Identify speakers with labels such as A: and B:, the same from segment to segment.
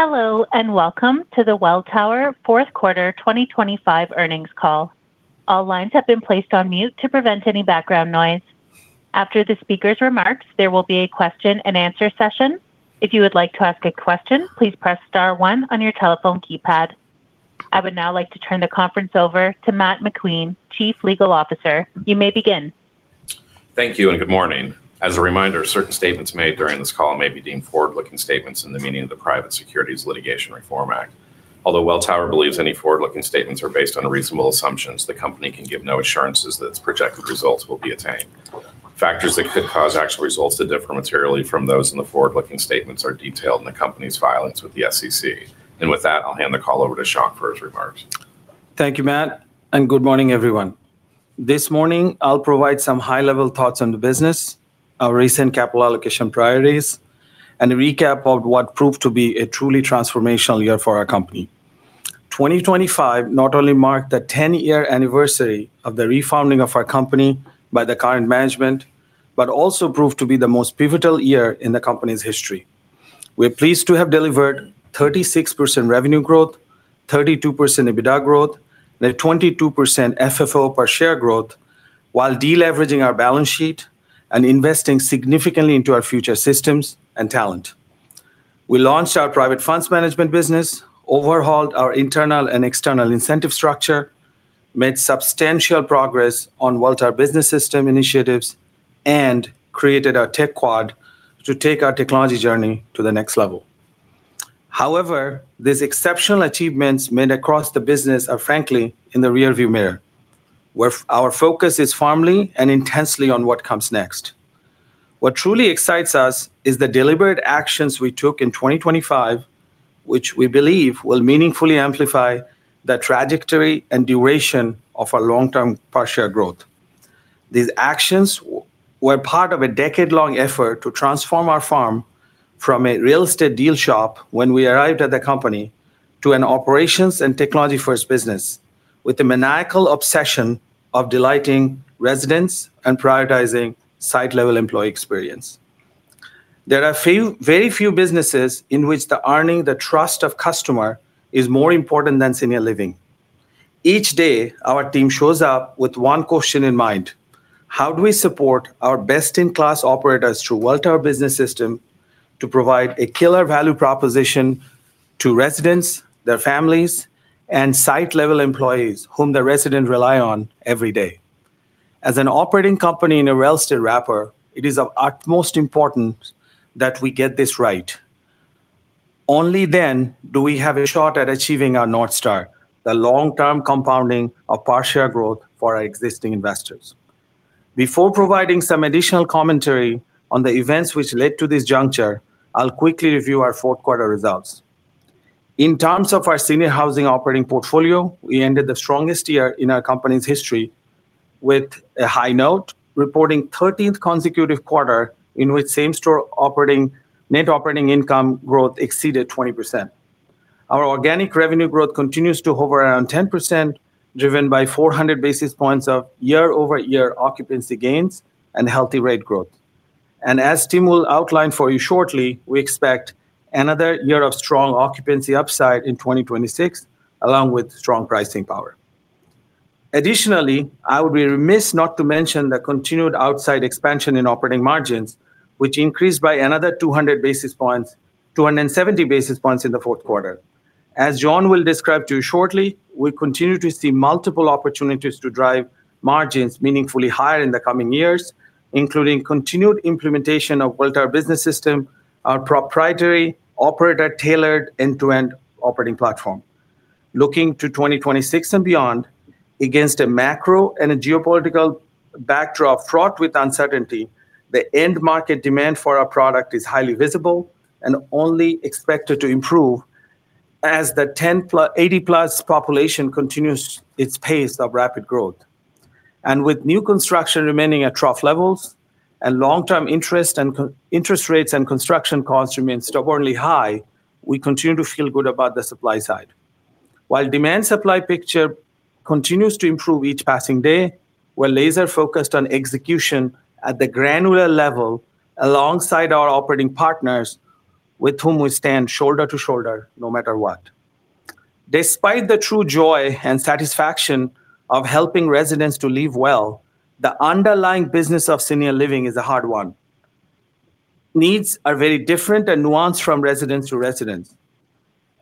A: Hello and welcome to the Welltower fourth quarter 2025 earnings call. All lines have been placed on mute to prevent any background noise. After the speaker's remarks, there will be a question-and-answer session. If you would like to ask a question, please press star one on your telephone keypad. I would now like to turn the conference over to Matt McQueen, Chief Legal Officer. You may begin.
B: Thank you and good morning. As a reminder, certain statements made during this call may be deemed forward-looking statements in the meaning of the Private Securities Litigation Reform Act. Although Welltower believes any forward-looking statements are based on reasonable assumptions, the company can give no assurances that its projected results will be attained. Factors that could cause actual results to differ materially from those in the forward-looking statements are detailed in the company's filings with the SEC. With that, I'll hand the call over to Shankh for his remarks.
C: Thank you, Matt, and good morning, everyone. This morning, I'll provide some high-level thoughts on the business, our recent capital allocation priorities, and a recap of what proved to be a truly transformational year for our company. 2025 not only marked the 10-year anniversary of the refounding of our company by the current management, but also proved to be the most pivotal year in the company's history. We're pleased to have delivered 36% revenue growth, 32% EBITDA growth, and a 22% FFO per share growth while deleveraging our balance sheet and investing significantly into our future systems and talent. We launched our private funds management business, overhauled our internal and external incentive structure, made substantial progress on Welltower Business System initiatives, and created our Tech Squad to take our technology journey to the next level. However, these exceptional achievements made across the business are, frankly, in the rearview mirror, where our focus is firmly and intensely on what comes next. What truly excites us is the deliberate actions we took in 2025, which we believe will meaningfully amplify the trajectory and duration of our long-term per share growth. These actions were part of a decade-long effort to transform our firm from a real estate deal SHOP when we arrived at the company to an operations and technology-first business with a maniacal obsession of delighting residents and prioritizing site-level employee experience. There are very few businesses in which earning the trust of customers is more important than senior living. Each day, our team shows up with one question in mind: How do we support our best-in-class operators through Welltower Business System to provide a killer value proposition to residents, their families, and site-level employees whom the residents rely on every day? As an operating company in a real estate wrapper, it is of utmost importance that we get this right. Only then do we have a shot at achieving our North Star, the long-term compounding of per share growth for our existing investors. Before providing some additional commentary on the events which led to this juncture, I'll quickly review our fourth quarter results. In terms of our senior housing operating portfolio, we ended the strongest year in our company's history with a high note, reporting 13th consecutive quarter in which same-store net operating income growth exceeded 20%. Our organic revenue growth continues to hover around 10%, driven by 400 basis points of year-over-year occupancy gains and healthy rate growth. As Tim will outline for you shortly, we expect another year of strong occupancy upside in 2026, along with strong pricing power. Additionally, I would be remiss not to mention the continued outside expansion in operating margins, which increased by another 200 basis points, 270 basis points in the fourth quarter. As John will describe to you shortly, we continue to see multiple opportunities to drive margins meaningfully higher in the coming years, including continued implementation of Welltower Business System, our proprietary operator-tailored end-to-end operating platform. Looking to 2026 and beyond, against a macro and a geopolitical backdrop fraught with uncertainty, the end-market demand for our product is highly visible and only expected to improve as the 80+ population continues its pace of rapid growth. With new construction remaining at trough levels and long-term interest rates and construction costs remain stubbornly high, we continue to feel good about the supply side. While demand-supply picture continues to improve each passing day, we're laser-focused on execution at the granular level alongside our operating partners with whom we stand shoulder to shoulder no matter what. Despite the true joy and satisfaction of helping residents to live well, the underlying business of senior living is a hard one. Needs are very different and nuanced from resident to resident.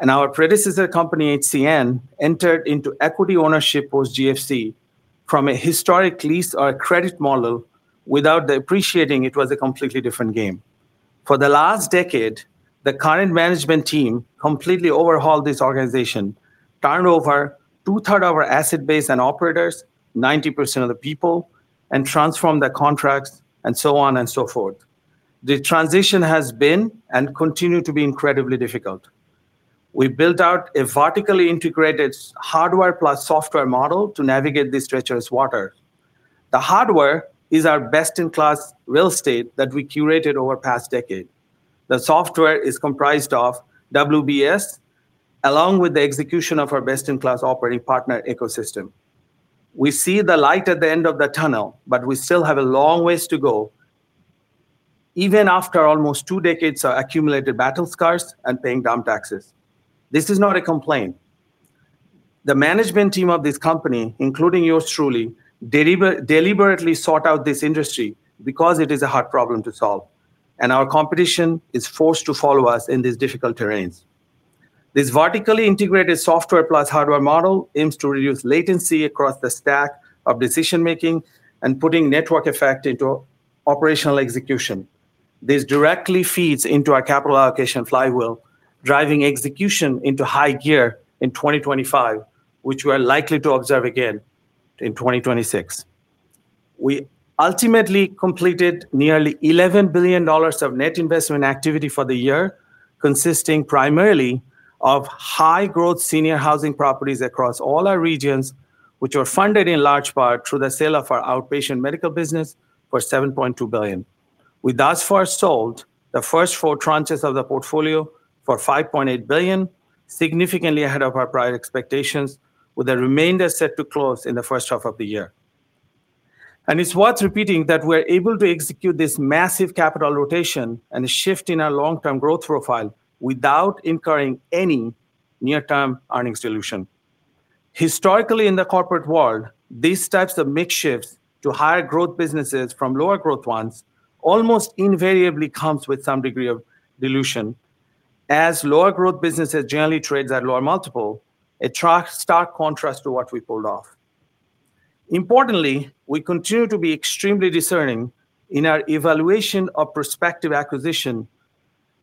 C: Our predecessor company, HCN, entered into equity ownership post-GFC from a historic lease or a credit model without appreciating it was a completely different game. For the last decade, the current management team completely overhauled this organization, turned over two-thirds of our asset base and operators, 90% of the people, and transformed the contracts, and so on and so forth. The transition has been and continues to be incredibly difficult. We built out a vertically integrated hardware-plus-software model to navigate these treacherous waters. The hardware is our best-in-class real estate that we curated over the past decade. The software is comprised of WBS, along with the execution of our best-in-class operating partner ecosystem. We see the light at the end of the tunnel, but we still have a long way to go, even after almost two decades of accumulated battle scars and paying dumb taxes. This is not a complaint. The management team of this company, including yours truly, deliberately sought out this industry because it is a hard problem to solve. Our competition is forced to follow us in these difficult terrains. This vertically integrated software-plus-hardware model aims to reduce latency across the stack of decision-making and put network effect into operational execution. This directly feeds into our capital allocation flywheel, driving execution into high gear in 2025, which we are likely to observe again in 2026. We ultimately completed nearly $11 billion of net investment activity for the year, consisting primarily of high-growth senior housing properties across all our regions, which were funded in large part through the sale of our outpatient medical business for $7.2 billion. We thus far sold the first four tranches of the portfolio for $5.8 billion, significantly ahead of our prior expectations, with the remainder set to close in the first half of the year. It's worth repeating that we're able to execute this massive capital rotation and a shift in our long-term growth profile without incurring any near-term earnings dilution. Historically, in the corporate world, these types of mix shifts to higher-growth businesses from lower-growth ones almost invariably come with some degree of dilution. As lower-growth businesses generally trade at lower multiples, it stark contrasts to what we pulled off. Importantly, we continue to be extremely discerning in our evaluation of prospective acquisition,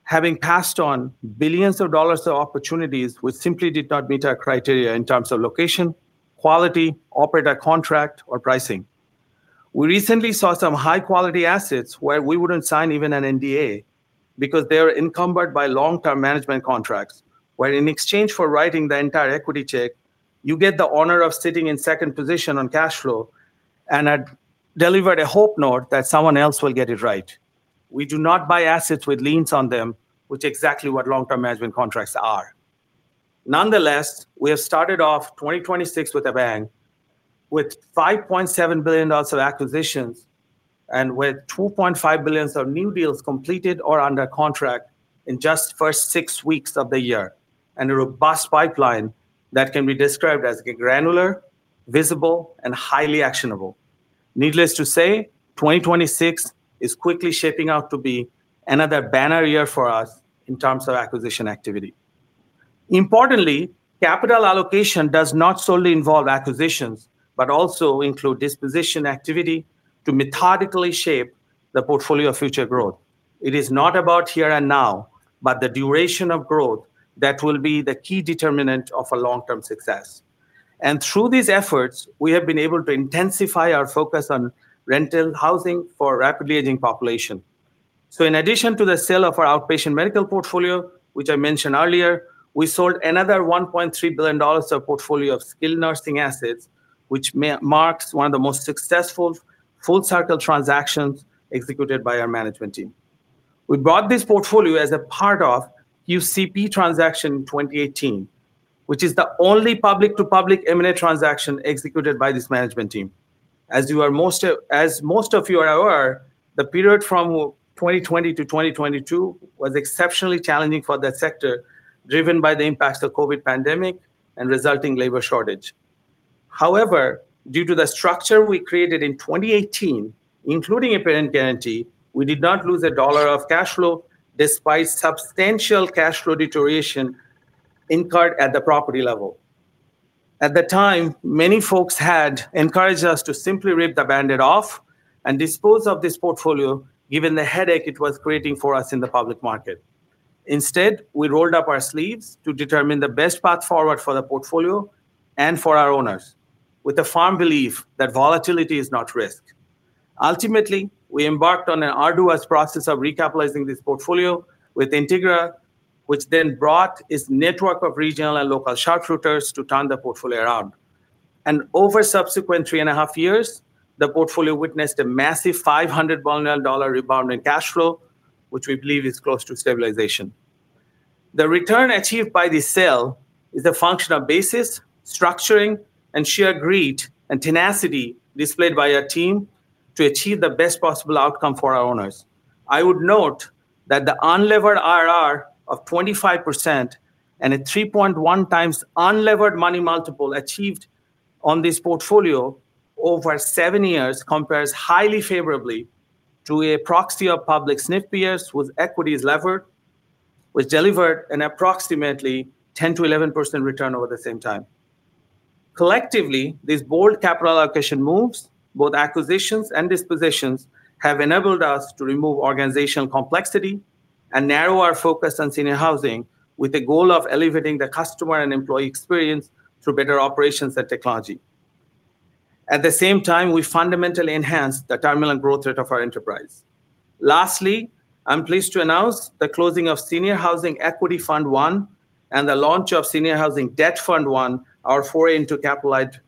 C: having passed on $ billions of opportunities which simply did not meet our criteria in terms of location, quality, operator contract, or pricing. We recently saw some high-quality assets where we wouldn't sign even an NDA because they were encumbered by long-term management contracts, where in exchange for writing the entire equity check, you get the honor of sitting in second position on cash flow and delivering a hope note that someone else will get it right. We do not buy assets with liens on them, which is exactly what long-term management contracts are. Nonetheless, we have started off 2026 with a bang, with $5.7 billion of acquisitions and with $2.5 billion of new deals completed or under contract in just the first six weeks of the year, and a robust pipeline that can be described as granular, visible, and highly actionable. Needless to say, 2026 is quickly shaping out to be another banner year for us in terms of acquisition activity. Importantly, capital allocation does not solely involve acquisitions but also includes disposition activity to methodically shape the portfolio of future growth. It is not about here and now, but the duration of growth that will be the key determinant of long-term success. Through these efforts, we have been able to intensify our focus on rental housing for a rapidly aging population. In addition to the sale of our outpatient medical portfolio, which I mentioned earlier, we sold another $1.3 billion of portfolio of skilled nursing assets, which marks one of the most successful full-circle transactions executed by our management team. We bought this portfolio as a part of QCP transaction in 2018, which is the only public-to-public M&A transaction executed by this management team. As most of you are aware, the period from 2020 to 2022 was exceptionally challenging for that sector, driven by the impacts of the COVID pandemic and resulting labor shortage. However, due to the structure we created in 2018, including a parent guarantee, we did not lose a dollar of cash flow despite substantial cash flow deterioration incurred at the property level. At the time, many folks had encouraged us to simply rip the band-aid off and dispose of this portfolio, given the headache it was creating for us in the public market. Instead, we rolled up our sleeves to determine the best path forward for the portfolio and for our owners, with the firm belief that volatility is not risk. Ultimately, we embarked on an arduous process of recapitalizing this portfolio with Integra, which then brought its network of regional and local sharpshooters to turn the portfolio around. Over subsequent 3.5 years, the portfolio witnessed a massive $500 million rebound in cash flow, which we believe is close to stabilization. The return achieved by this sale is a function of basis, structuring, and sheer grit and tenacity displayed by our team to achieve the best possible outcome for our owners. I would note that the unlevered IRR of 25% and a 3.1x unlevered money multiple achieved on this portfolio over seven years compares highly favorably to a proxy of public SNF peers whose equity is levered, which delivered an approximately 10%-11% return over the same time. Collectively, these bold capital allocation moves, both acquisitions and dispositions, have enabled us to remove organizational complexity and narrow our focus on senior housing with the goal of elevating the customer and employee experience through better operations and technology. At the same time, we fundamentally enhanced the terminal growth rate of our enterprise. Lastly, I'm pleased to announce the closing of Senior Housing Equity Fund One and the launch of Senior Housing Debt Fund One, our foray into capitalized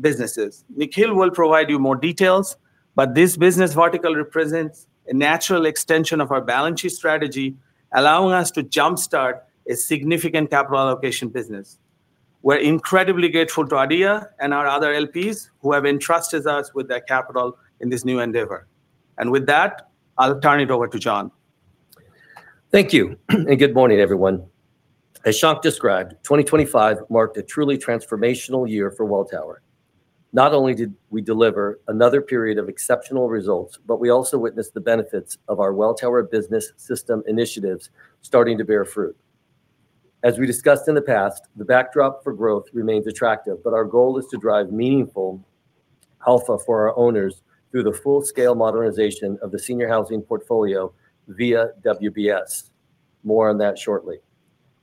C: businesses. Nikhil will provide you more details, but this business vertical represents a natural extension of our balance sheet strategy, allowing us to jump-start a significant capital allocation business. We're incredibly grateful to ADIA and our other LPs who have entrusted us with their capital in this new endeavor. And with that, I'll turn it over to John.
B: Thank you. Good morning, everyone. As Shankh described, 2025 marked a truly transformational year for Welltower. Not only did we deliver another period of exceptional results, but we also witnessed the benefits of our Welltower Business System initiatives starting to bear fruit. As we discussed in the past, the backdrop for growth remains attractive, but our goal is to drive meaningful alpha for our owners through the full-scale modernization of the senior housing portfolio via WBS. More on that shortly.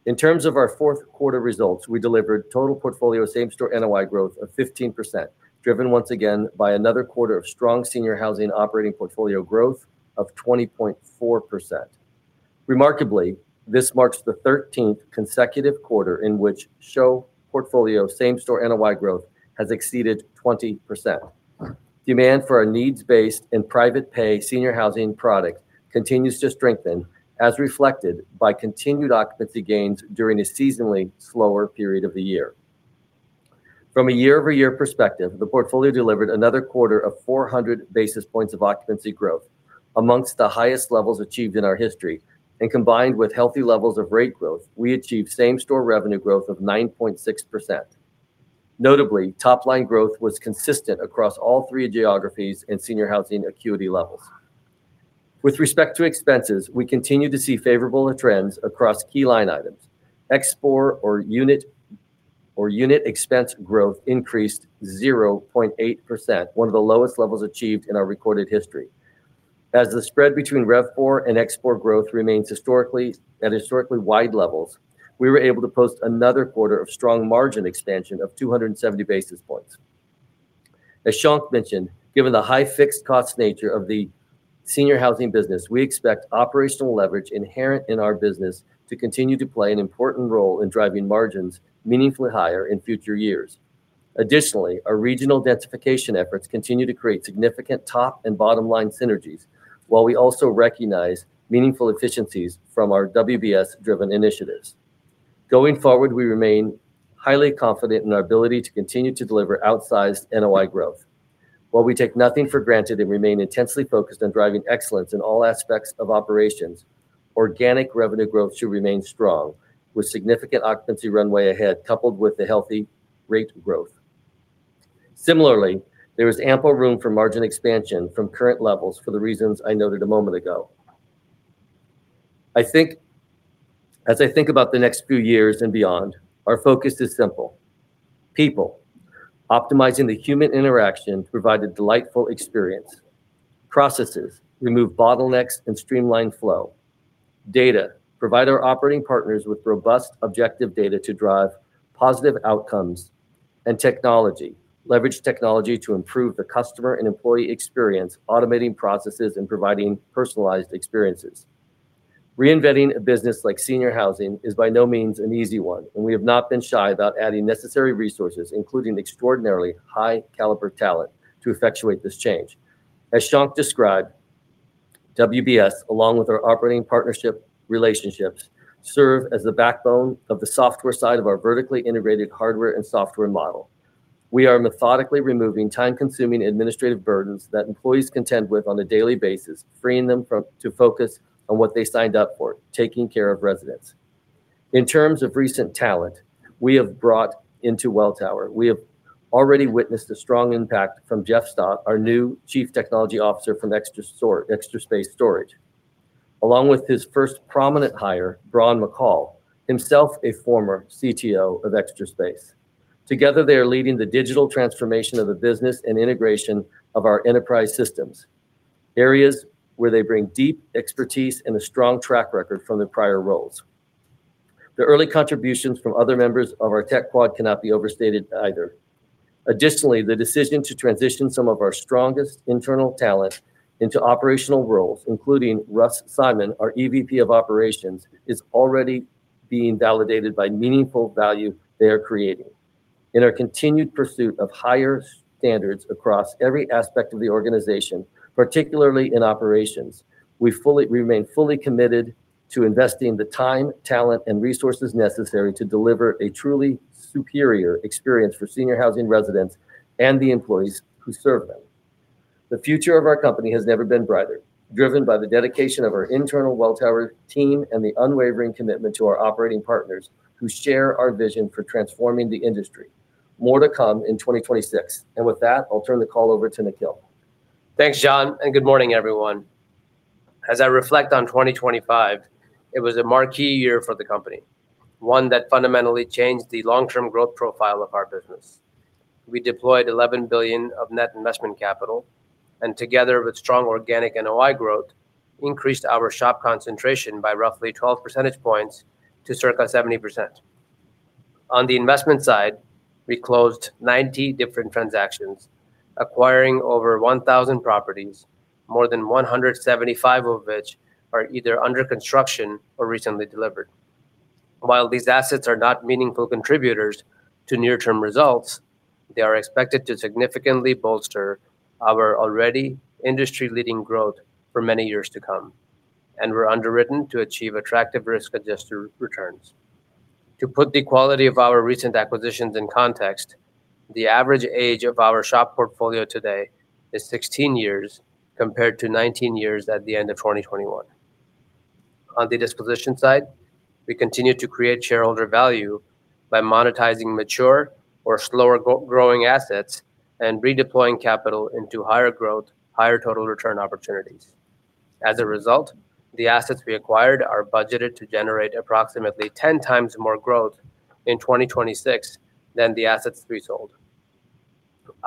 B: In terms of our fourth quarter results, we delivered total portfolio same-store NOI growth of 15%, driven once again by another quarter of strong senior housing operating portfolio growth of 20.4%. Remarkably, this marks the 13th consecutive quarter in which SHOP portfolio same-store NOI growth has exceeded 20%. Demand for our needs-based and private-pay senior housing product continues to strengthen, as reflected by continued occupancy gains during a seasonally slower period of the year. From a year-over-year perspective, the portfolio delivered another quarter of 400 basis points of occupancy growth, among the highest levels achieved in our history. Combined with healthy levels of rate growth, we achieved same-store revenue growth of 9.6%. Notably, top-line growth was consistent across all three geographies and senior housing acuity levels. With respect to expenses, we continue to see favorable trends across key line items. ExPOR or unit expense growth increased 0.8%, one of the lowest levels achieved in our recorded history. As the spread between RevPOR and ExPOR growth remains at historically wide levels, we were able to post another quarter of strong margin expansion of 270 basis points. As Shankh mentioned, given the high fixed-cost nature of the senior housing business, we expect operational leverage inherent in our business to continue to play an important role in driving margins meaningfully higher in future years. Additionally, our regional densification efforts continue to create significant top and bottom-line synergies, while we also recognize meaningful efficiencies from our WBS-driven initiatives. Going forward, we remain highly confident in our ability to continue to deliver outsized NOI growth. While we take nothing for granted and remain intensely focused on driving excellence in all aspects of operations, organic revenue growth should remain strong, with significant occupancy runway ahead coupled with the healthy rate growth. Similarly, there is ample room for margin expansion from current levels for the reasons I noted a moment ago. As I think about the next few years and beyond, our focus is simple: people, optimizing the human interaction to provide a delightful experience, processes, remove bottlenecks and streamline flow, data, provide our operating partners with robust objective data to drive positive outcomes, and technology, leverage technology to improve the customer and employee experience, automating processes and providing personalized experiences. Reinventing a business like senior housing is by no means an easy one, and we have not been shy about adding necessary resources, including extraordinarily high-caliber talent, to effectuate this change. As Shankh described, WBS, along with our operating partnership relationships, serve as the backbone of the software side of our vertically integrated hardware and software model. We are methodically removing time-consuming administrative burdens that employees contend with on a daily basis, freeing them to focus on what they signed up for, taking care of residents. In terms of recent talent we have brought into Welltower, we have already witnessed a strong impact from Jeff Stott, our new Chief Technology Officer from Extra Space Storage, along with his first prominent hire, Bron McCall, himself a former CTO of Extra Space. Together, they are leading the digital transformation of the business and integration of our enterprise systems, areas where they bring deep expertise and a strong track record from their prior roles. The early contributions from other members of our Tech Squad cannot be overstated either. Additionally, the decision to transition some of our strongest internal talent into operational roles, including Russ Simon, our EVP of operations, is already being validated by meaningful value they are creating. In our continued pursuit of higher standards across every aspect of the organization, particularly in operations, we remain fully committed to investing the time, talent, and resources necessary to deliver a truly superior experience for senior housing residents and the employees who serve them. The future of our company has never been brighter, driven by the dedication of our internal Welltower team and the unwavering commitment to our operating partners who share our vision for transforming the industry. More to come in 2026. With that, I'll turn the call over to Nikhil.
C: Thanks, John. Good morning, everyone. As I reflect on 2025, it was a marquee year for the company, one that fundamentally changed the long-term growth profile of our business. We deployed $11 billion of net investment capital and, together with strong organic NOI growth, increased our shop concentration by roughly 12 percentage points to circa 70%. On the investment side, we closed 90 different transactions, acquiring over 1,000 properties, more than 175 of which are either under construction or recently delivered. While these assets are not meaningful contributors to near-term results, they are expected to significantly bolster our already industry-leading growth for many years to come, and we're underwritten to achieve attractive risk-adjusted returns. To put the quality of our recent acquisitions in context, the average age of our shop portfolio today is 16 years compared to 19 years at the end of 2021. On the disposition side, we continue to create shareholder value by monetizing mature or slower-growing assets and redeploying capital into higher growth, higher total return opportunities. As a result, the assets we acquired are budgeted to generate approximately 10 times more growth in 2026 than the assets we sold.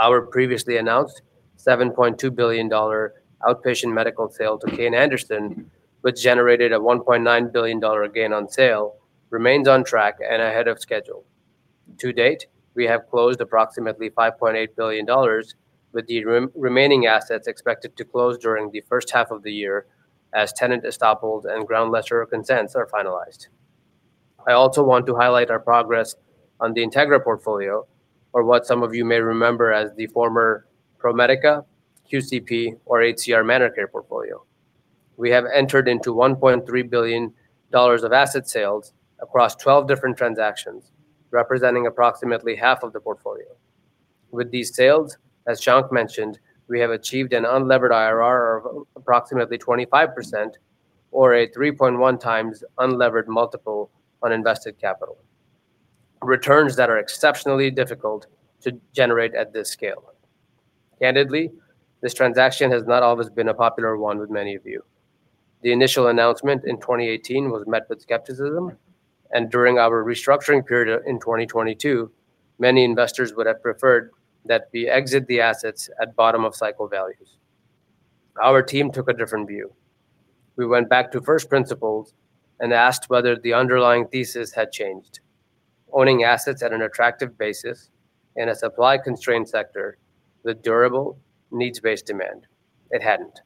C: Our previously announced $7.2 billion outpatient medical sale to Kayne Anderson, which generated a $1.9 billion gain on sale, remains on track and ahead of schedule. To date, we have closed approximately $5.8 billion, with the remaining assets expected to close during the first half of the year as tenant estoppels and ground lessor consents are finalized. I also want to highlight our progress on the Integra Health portfolio, or what some of you may remember as the former ProMedica, QCP, or HCR ManorCare portfolio. We have entered into $1.3 billion of asset sales across 12 different transactions, representing approximately half of the portfolio. With these sales, as Shankh mentioned, we have achieved an unlevered IRR of approximately 25% or a 3.1x unlevered multiple on invested capital, returns that are exceptionally difficult to generate at this scale. Candidly, this transaction has not always been a popular one with many of you. The initial announcement in 2018 was met with skepticism, and during our restructuring period in 2022, many investors would have preferred that we exit the assets at bottom-of-cycle values. Our team took a different view. We went back to first principles and asked whether the underlying thesis had changed. Owning assets at an attractive basis in a supply-constrained sector with durable, needs-based demand, it hadn't.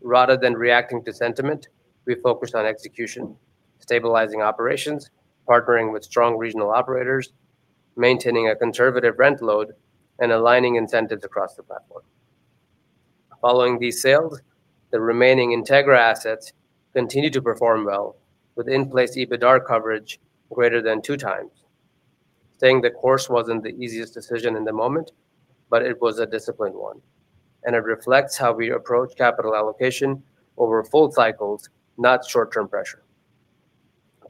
C: Rather than reacting to sentiment, we focused on execution, stabilizing operations, partnering with strong regional operators, maintaining a conservative rent load, and aligning incentives across the platform. Following these sales, the remaining Integra assets continue to perform well, with in-place EBITDA coverage greater than 2x. Staying the course wasn't the easiest decision in the moment, but it was a disciplined one, and it reflects how we approach capital allocation over full cycles, not short-term pressure.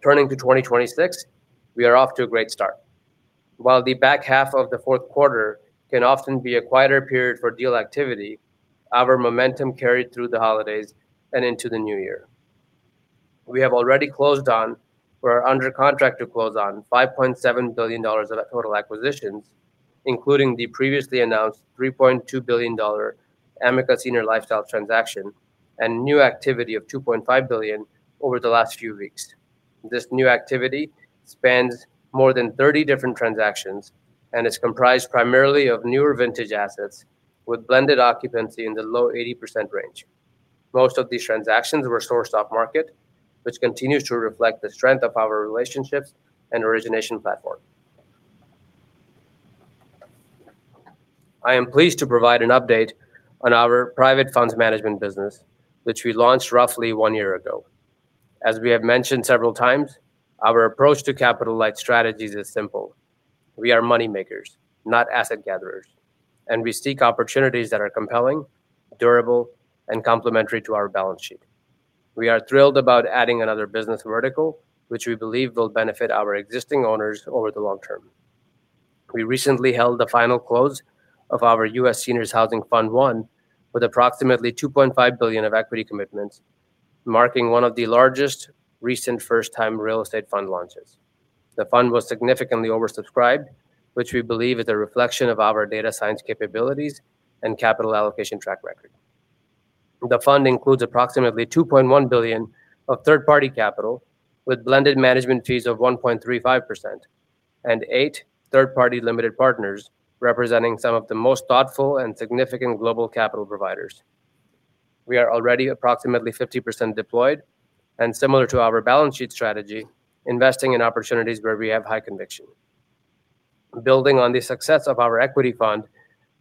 C: Turning to 2026, we are off to a great start. While the back half of the fourth quarter can often be a quieter period for deal activity, our momentum carried through the holidays and into the new year. We have already closed on, or are under contract to close on, $5.7 billion of total acquisitions, including the previously announced $3.2 billion Amica Senior Lifestyles transaction and new activity of $2.5 billion over the last few weeks. This new activity spans more than 30 different transactions and is comprised primarily of newer vintage assets, with blended occupancy in the low 80% range. Most of these transactions were sourced off-market, which continues to reflect the strength of our relationships and origination platform. I am pleased to provide an update on our private fund management business, which we launched roughly one year ago. As we have mentioned several times, our approach to capital-light strategies is simple: we are moneymakers, not asset gatherers, and we seek opportunities that are compelling, durable, and complementary to our balance sheet. We are thrilled about adding another business vertical, which we believe will benefit our existing owners over the long term. We recently held the final close of our U.S. Senior Housing Fund One with approximately $2.5 billion of equity commitments, marking one of the largest recent first-time real estate fund launches. The fund was significantly oversubscribed, which we believe is a reflection of our data science capabilities and capital allocation track record. The fund includes approximately $2.1 billion of third-party capital with blended management fees of 1.35% and eight third-party limited partners representing some of the most thoughtful and significant global capital providers. We are already approximately 50% deployed and, similar to our balance sheet strategy, investing in opportunities where we have high conviction. Building on the success of our equity fund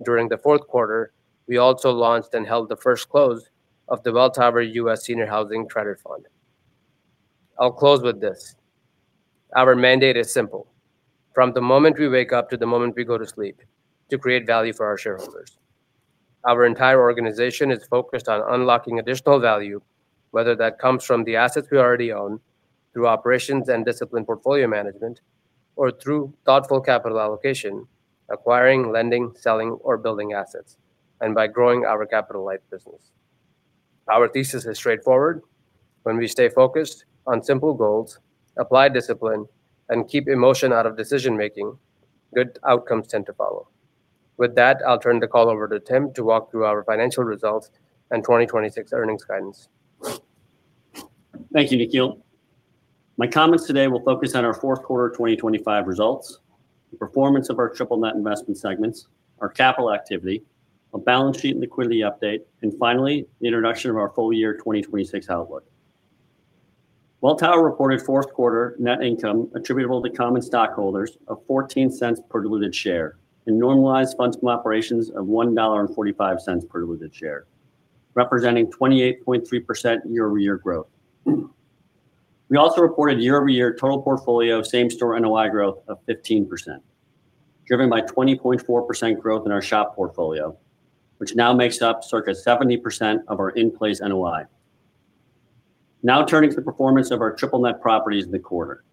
C: during the fourth quarter, we also launched and held the first close of the Welltower U.S. Senior Housing Debt Fund. I'll close with this: our mandate is simple, from the moment we wake up to the moment we go to sleep, to create value for our shareholders. Our entire organization is focused on unlocking additional value, whether that comes from the assets we already own, through operations and disciplined portfolio management, or through thoughtful capital allocation, acquiring, lending, selling, or building assets, and by growing our capital-light business. Our thesis is straightforward: when we stay focused on simple goals, apply discipline, and keep emotion out of decision-making, good outcomes tend to follow. With that, I'll turn the call over to Tim to walk through our financial results and 2026 earnings guidance.
D: Thank you, Nikhil. My comments today will focus on our fourth quarter 2025 results, the performance of our triple net investment segments, our capital activity, a balance sheet liquidity update, and finally the introduction of our full year 2026 outlook. Welltower reported fourth quarter net income attributable to common stockholders of $0.14 per diluted share and normalized funds from operations of $1.45 per diluted share, representing 28.3% year-over-year growth. We also reported year-over-year total portfolio same-store NOI growth of 15%, driven by 20.4% growth in our shop portfolio, which now makes up circa 70% of our in-place NOI. Now turning to the performance of our triple net properties in the quarter.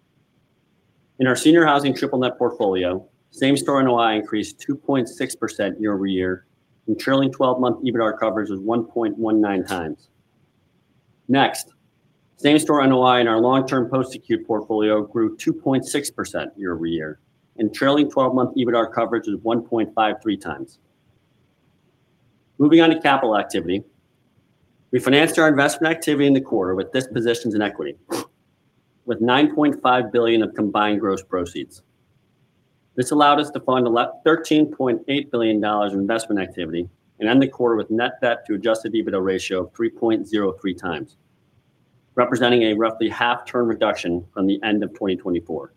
D: In our senior housing triple net portfolio, same-store NOI increased 2.6% year-over-year and trailing 12-month EBITDA coverage was 1.19 times. Next, same-store NOI in our long-term post-acute portfolio grew 2.6% year-over-year and trailing 12-month EBITDA coverage was 1.53 times. Moving on to capital activity, we financed our investment activity in the quarter with dispositions in equity, with $9.5 billion of combined gross proceeds. This allowed us to fund $13.8 billion in investment activity and end the quarter with net debt to adjusted EBITDA ratio of 3.03 times, representing a roughly half-turn reduction from the end of 2024.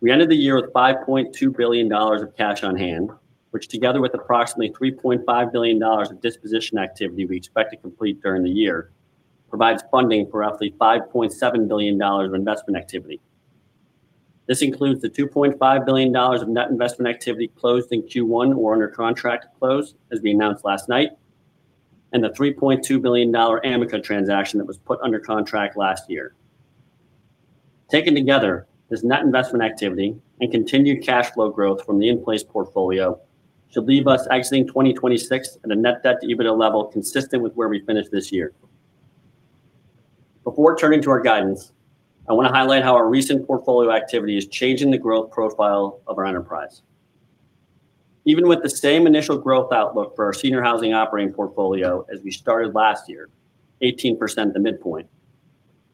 D: We ended the year with $5.2 billion of cash on hand, which, together with approximately $3.5 billion of disposition activity we expect to complete during the year, provides funding for roughly $5.7 billion of investment activity. This includes the $2.5 billion of net investment activity closed in Q1 or under contract close as we announced last night and the $3.2 billion Amica transaction that was put under contract last year. Taken together, this net investment activity and continued cash flow growth from the in-place portfolio should leave us exiting 2026 at a net debt to EBITDA level consistent with where we finished this year. Before turning to our guidance, I want to highlight how our recent portfolio activity is changing the growth profile of our enterprise. Even with the same initial growth outlook for our senior housing operating portfolio as we started last year (18% the midpoint),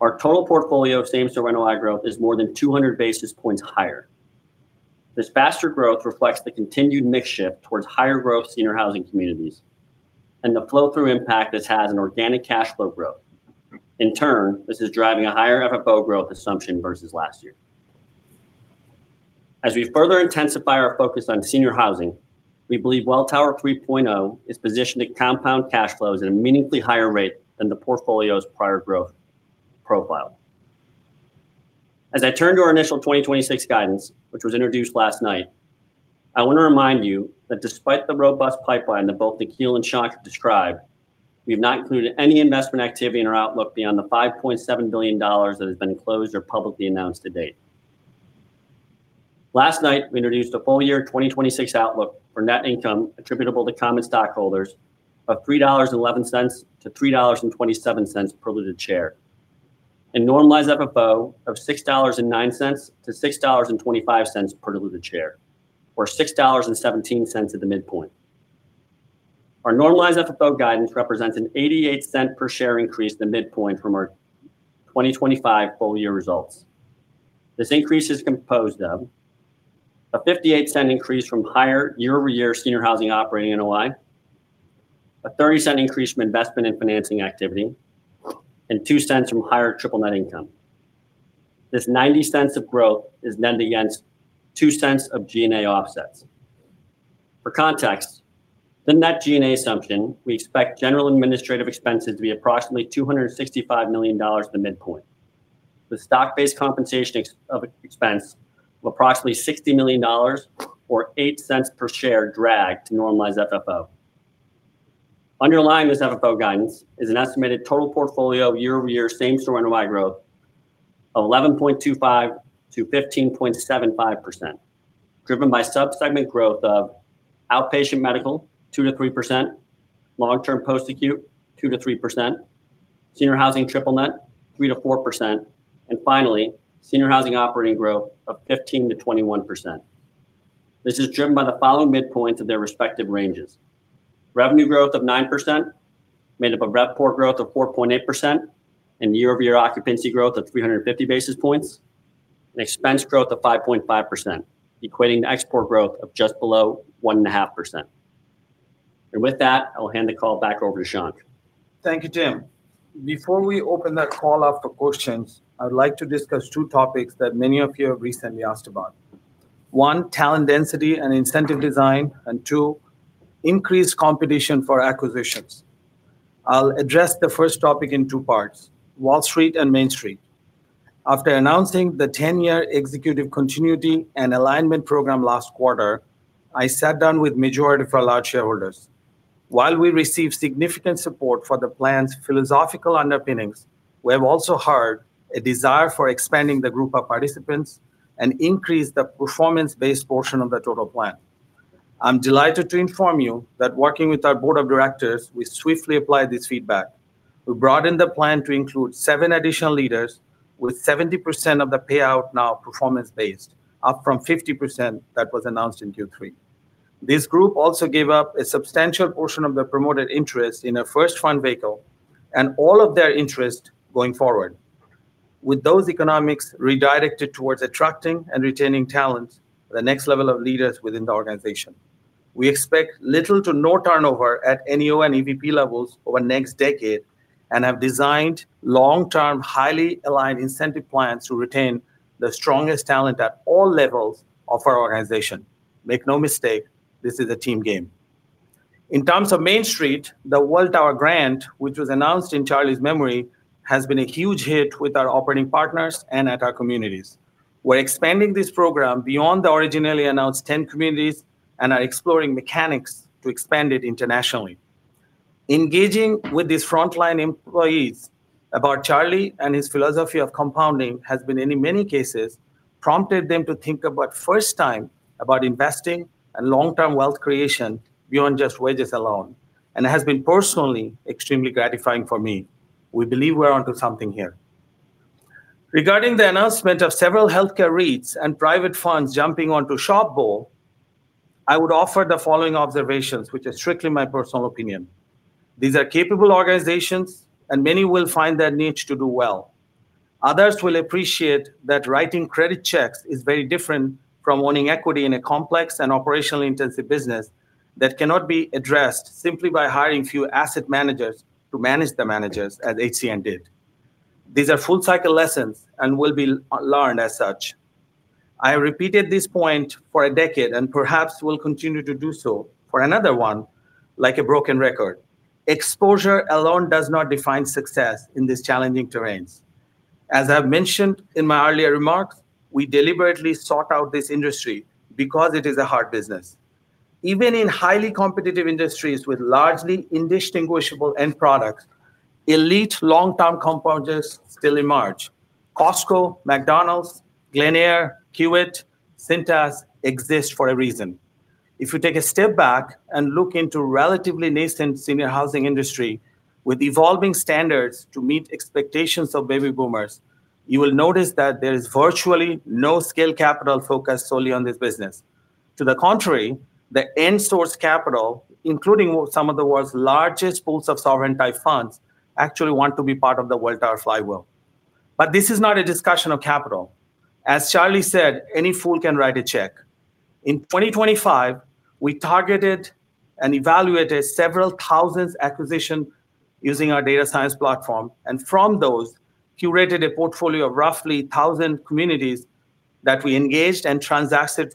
D: our total portfolio same-store NOI growth is more than 200 basis points higher. This faster growth reflects the continued mix shift towards higher-growth senior housing communities and the flow-through impact this has on organic cash flow growth. In turn, this is driving a higher FFO growth assumption versus last year. As we further intensify our focus on senior housing, we believe Welltower 3.0 is positioned to compound cash flows at a meaningfully higher rate than the portfolio's prior growth profile. As I turn to our initial 2026 guidance, which was introduced last night, I want to remind you that despite the robust pipeline that both Nikhil and Shankh described, we have not included any investment activity in our outlook beyond the $5.7 billion that has been closed or publicly announced to date. Last night, we introduced a full year 2026 outlook for net income attributable to common stockholders of $3.11-$3.27 per diluted share and normalized FFO of $6.09-$6.25 per diluted share, or $6.17 at the midpoint. Our normalized FFO guidance represents a $0.88 per share increase at the midpoint from our 2025 full year results. This increase is composed of a $0.58 increase from higher year-over-year senior housing operating NOI, a $0.30 increase from investment and financing activity, and $0.02 from higher triple net income. This $0.90 of growth is lent against $0.02 of G&A offsets. For context, the net G&A assumption, we expect general administrative expenses to be approximately $265 million at the midpoint, with stock-based compensation expense of approximately $60 million or $0.08 per share dragged to normalize FFO. Underlying this FFO guidance is an estimated total portfolio year-over-year same-store NOI growth of 11.25%-15.75%, driven by subsegment growth of outpatient medical 2%-3%, long-term post-acute 2%-3%, senior housing triple net 3%-4%, and finally, senior housing operating growth of 15%-21%. This is driven by the following midpoints of their respective ranges: revenue growth of 9%, made up of RevPOR growth of 4.8% and year-over-year occupancy growth of 350 basis points, and expense growth of 5.5%, equating to ExPOR growth of just below 1.5%. With that, I will hand the call back over to Shankh.
C: Thank you, Tim. Before we open that call up for questions, I would like to discuss two topics that many of you have recently asked about: one, talent density and incentive design; and two, increased competition for acquisitions. I'll address the first topic in two parts: Wall Street and Main Street. After announcing the 10-year Executive Continuity and Alignment Program last quarter, I sat down with majority of large shareholders. While we received significant support for the plan's philosophical underpinnings, we have also heard a desire for expanding the group of participants and increasing the performance-based portion of the total plan. I'm delighted to inform you that, working with our board of directors, we swiftly applied this feedback. We brought in the plan to include seven additional leaders, with 70% of the payout now performance-based, up from 50% that was announced in Q3. This group also gave up a substantial portion of their promoted interest in a first fund vehicle and all of their interest going forward, with those economics redirected towards attracting and retaining talent, the next level of leaders within the organization. We expect little to no turnover at NEO and EVP levels over the next decade and have designed long-term, highly aligned incentive plans to retain the strongest talent at all levels of our organization. Make no mistake: this is a team game. In terms of Main Street, the Welltower grant, which was announced in Charlie's memory, has been a huge hit with our operating partners and at our communities. We're expanding this program beyond the originally announced 10 communities and are exploring mechanics to expand it internationally. Engaging with these frontline employees about Charlie and his philosophy of compounding has been, in many cases, prompted them to think for the first time about investing and long-term wealth creation beyond just wages alone, and has been personally extremely gratifying for me. We believe we're onto something here. Regarding the announcement of several healthcare REITs and private funds jumping onto SHOP, I would offer the following observations, which are strictly my personal opinion: these are capable organizations, and many will find their niche to do well. Others will appreciate that writing credit checks is very different from owning equity in a complex and operationally intensive business that cannot be addressed simply by hiring few asset managers to manage the managers, as HCN did. These are full-cycle lessons and will be learned as such. I have repeated this point for a decade and perhaps will continue to do so for another one, like a broken record: exposure alone does not define success in these challenging terrains. As I've mentioned in my earlier remarks, we deliberately sought out this industry because it is a hard business. Even in highly competitive industries with largely indistinguishable end products, elite long-term compounders still emerge: Costco, McDonald's, Glenair, Kiewit, Cintas exist for a reason. If you take a step back and look into the relatively nascent senior housing industry with evolving standards to meet expectations of baby boomers, you will notice that there is virtually no scale capital focused solely on this business. To the contrary, the end-source capital, including some of the world's largest pools of sovereign-type funds, actually wants to be part of the Welltower flywheel. But this is not a discussion of capital. As Charlie said, any fool can write a check. In 2025, we targeted and evaluated several thousand acquisitions using our data science platform, and from those, curated a portfolio of roughly 1,000 communities that we engaged and transacted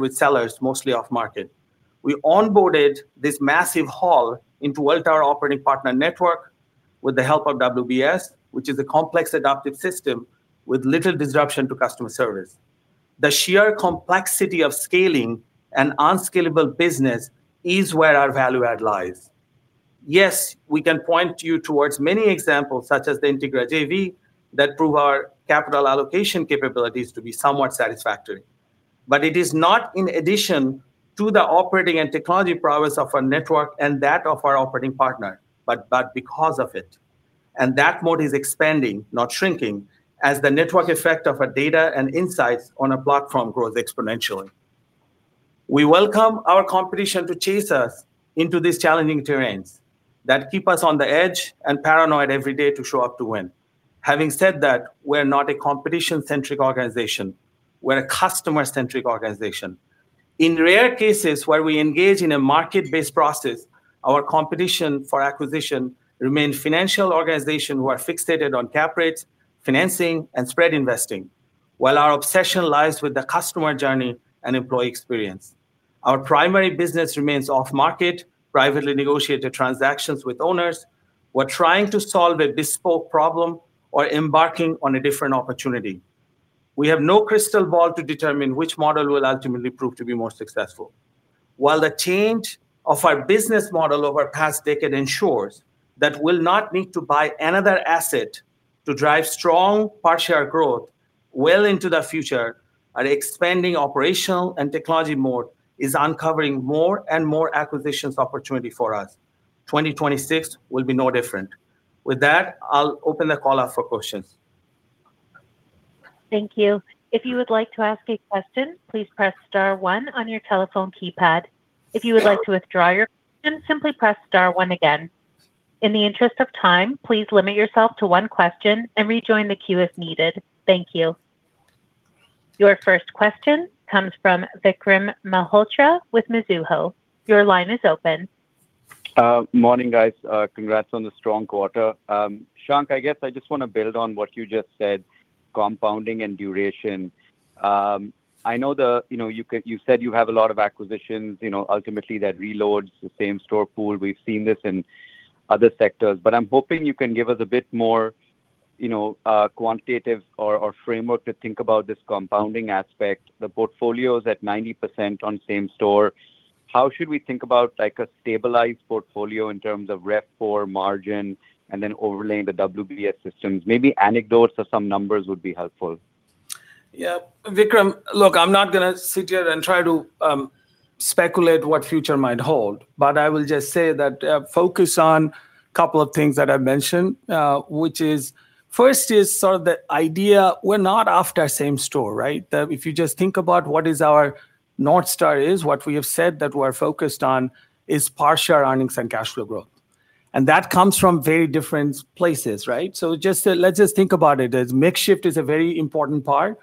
C: with sellers, mostly off-market. We onboarded this massive haul into Welltower Operating Partner Network with the help of WBS, which is a complex adaptive system with little disruption to customer service. The sheer complexity of scaling an unscalable business is where our value add lies. Yes, we can point you towards many examples, such as the Integra JV, that prove our capital allocation capabilities to be somewhat satisfactory. But it is not in addition to the operating and technology prowess of our network and that of our operating partner, but because of it. And that moat is expanding, not shrinking, as the network effect of our data and insights on our platform grows exponentially. We welcome our competition to chase us into these challenging terrains that keep us on the edge and paranoid every day to show up to win. Having said that, we're not a competition-centric organization. We're a customer-centric organization. In rare cases where we engage in a market-based process, our competition for acquisition remains financial organizations who are fixated on cap rates, financing, and spread investing, while our obsession lies with the customer journey and employee experience. Our primary business remains off-market, privately negotiated transactions with owners, we're trying to solve a bespoke problem, or embarking on a different opportunity. We have no crystal ball to determine which model will ultimately prove to be more successful. While the change of our business model over the past decade ensures that we'll not need to buy another asset to drive strong per-share growth well into the future, our expanding operational and technology moat is uncovering more and more acquisition opportunities for us. 2026 will be no different. With that, I'll open the call up for questions.
A: Thank you. If you would like to ask a question, please press star one on your telephone keypad. If you would like to withdraw your question, simply press star one again. In the interest of time, please limit yourself to one question and rejoin the queue if needed. Thank you. Your first question comes from Vikram Malhotra with Mizuho. Your line is open.
E: Morning, guys. Congrats on the strong quarter. Shankh, I guess I just want to build on what you just said: compounding and duration. I know you said you have a lot of acquisitions, ultimately that reloads the same store pool. We've seen this in other sectors. But I'm hoping you can give us a bit more quantitative or framework to think about this compounding aspect. The portfolio is at 90% on same store. How should we think about a stabilized portfolio in terms of RevPOR, margin, and then overlaying the WBS systems? Maybe anecdotes or some numbers would be helpful.
C: Yeah. Vikram, look, I'm not going to sit here and try to speculate what future might hold. But I will just say that, focus on a couple of things that I mentioned, which is: first is sort of the idea we're not after same store, right? If you just think about what our North Star is, what we have said that we're focused on is partial earnings and cash flow growth. And that comes from very different places, right? So let's just think about it as mix shift is a very important part.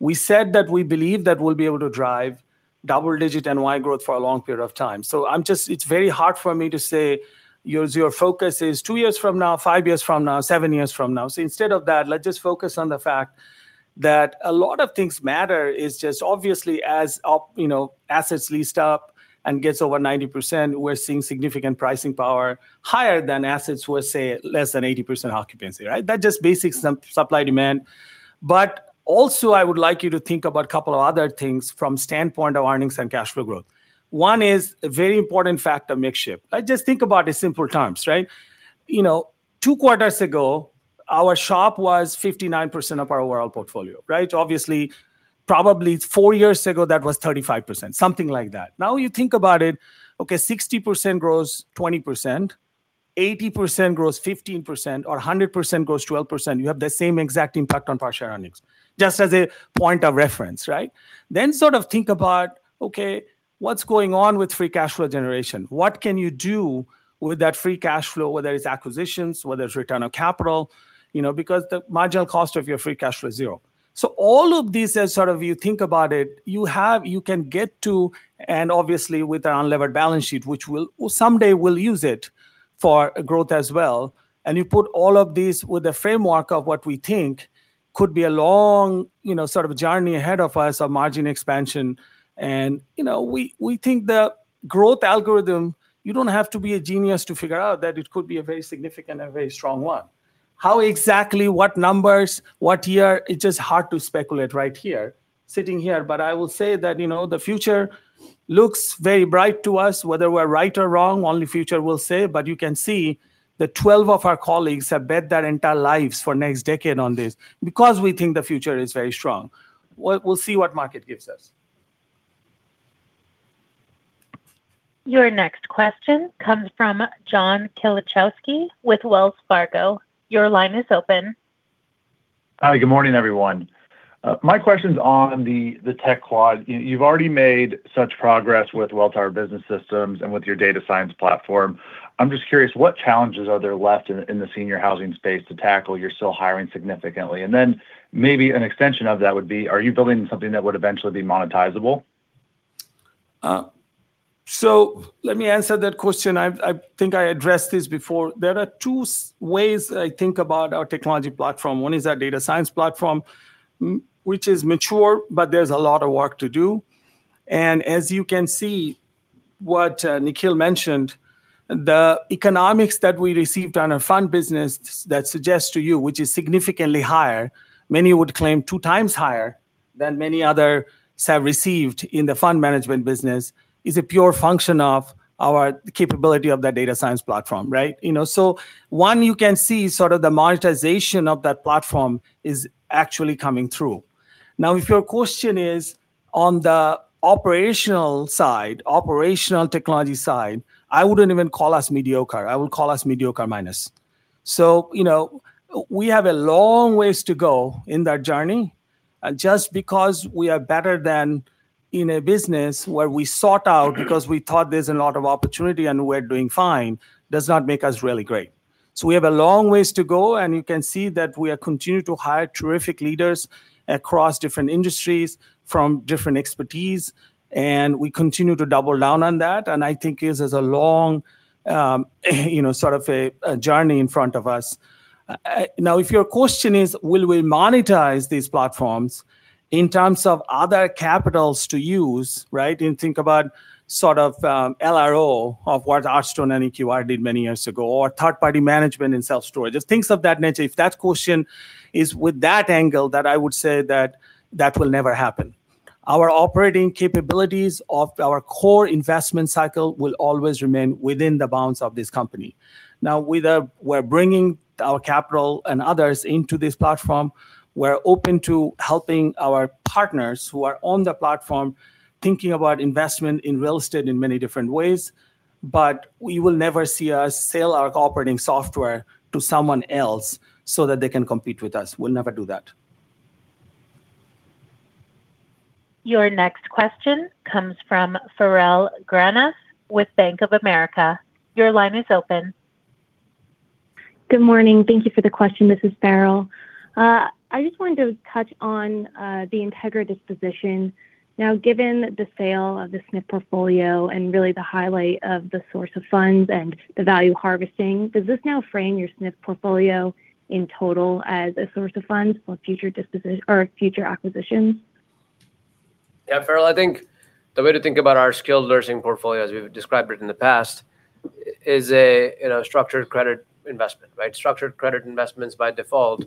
C: We said that we believe that we'll be able to drive double-digit NOI growth for a long period of time. So it's very hard for me to say your focus is two years from now, five years from now, seven years from now. So instead of that, let's just focus on the fact that a lot of things matter is just, obviously, as assets leased up and get over 90%, we're seeing significant pricing power higher than assets with, say, less than 80% occupancy, right? That's just basic supply-demand. But also, I would like you to think about a couple of other things from the standpoint of earnings and cash flow growth. One is a very important factor: mix shift. Just think about it in simple terms, right? Two quarters ago, our shop was 59% of our overall portfolio, right? Obviously, probably four years ago, that was 35%, something like that. Now you think about it: okay, 60% grows 20%, 80% grows 15%, or 100% grows 12%. You have the same exact impact on partial earnings, just as a point of reference, right? Then, sort of think about, okay, what's going on with free cash flow generation? What can you do with that free cash flow, whether it's acquisitions, whether it's return on capital? Because the marginal cost of your free cash flow is zero. So all of these, as sort of you think about it, you can get to, and obviously, with an unlevered balance sheet, which someday we'll use for growth as well. And you put all of these with the framework of what we think could be a long sort of journey ahead of us of margin expansion. And we think the growth algorithm, you don't have to be a genius to figure out that it could be a very significant and very strong one. How exactly, what numbers, what year, it's just hard to speculate right here, sitting here. I will say that the future looks very bright to us. Whether we're right or wrong, only future will say. You can see the 12 of our colleagues have bet their entire lives for the next decade on this because we think the future is very strong. We'll see what market gives us.
A: Your next question comes from John Kilichowski with Wells Fargo. Your line is open.
F: Hi. Good morning, everyone. My question's on the Tech Squad. You've already made such progress with Welltower Business Systems and with your data science platform. I'm just curious, what challenges are there left in the senior housing space to tackle? You're still hiring significantly. And then maybe an extension of that would be, are you building something that would eventually be monetizable?
C: So let me answer that question. I think I addressed this before. There are two ways I think about our technology platform. One is our data science platform, which is mature, but there's a lot of work to do. And as you can see, what Nikhil mentioned, the economics that we received on our fund business that suggests to you, which is significantly higher, many would claim two times higher than many others have received in the fund management business, is a pure function of our capability of the data science platform, right? So one, you can see sort of the monetization of that platform is actually coming through. Now, if your question is on the operational side, operational technology side, I wouldn't even call us mediocre. I would call us mediocre minus. So we have a long ways to go in that journey. And just because we are better than in a business where we sought out because we thought there's a lot of opportunity and we're doing fine does not make us really great. So we have a long ways to go. And you can see that we continue to hire terrific leaders across different industries from different expertise. And we continue to double down on that. And I think this is a long sort of a journey in front of us. Now, if your question is, will we monetize these platforms in terms of other capitals to use, right? And think about sort of LRO of what Archstone and EQR did many years ago, or third-party management in self-storage, just things of that nature. If that question is with that angle, then I would say that that will never happen. Our operating capabilities of our core investment cycle will always remain within the bounds of this company. Now, we're bringing our capital and others into this platform. We're open to helping our partners who are on the platform thinking about investment in real estate in many different ways. But you will never see us sell our operating software to someone else so that they can compete with us. We'll never do that.
A: Your next question comes from Farrell Granath with Bank of America. Your line is open.
G: Good morning. Thank you for the question. This is Farrell. I just wanted to touch on the Integra disposition. Now, given the sale of the SNF portfolio and really the highlight of the source of funds and the value harvesting, does this now frame your SNF portfolio in total as a source of funds for future acquisitions?
H: Yeah, Farrell. I think the way to think about our skilled nursing portfolio, as we've described it in the past, is a structured credit investment, right? Structured credit investments, by default,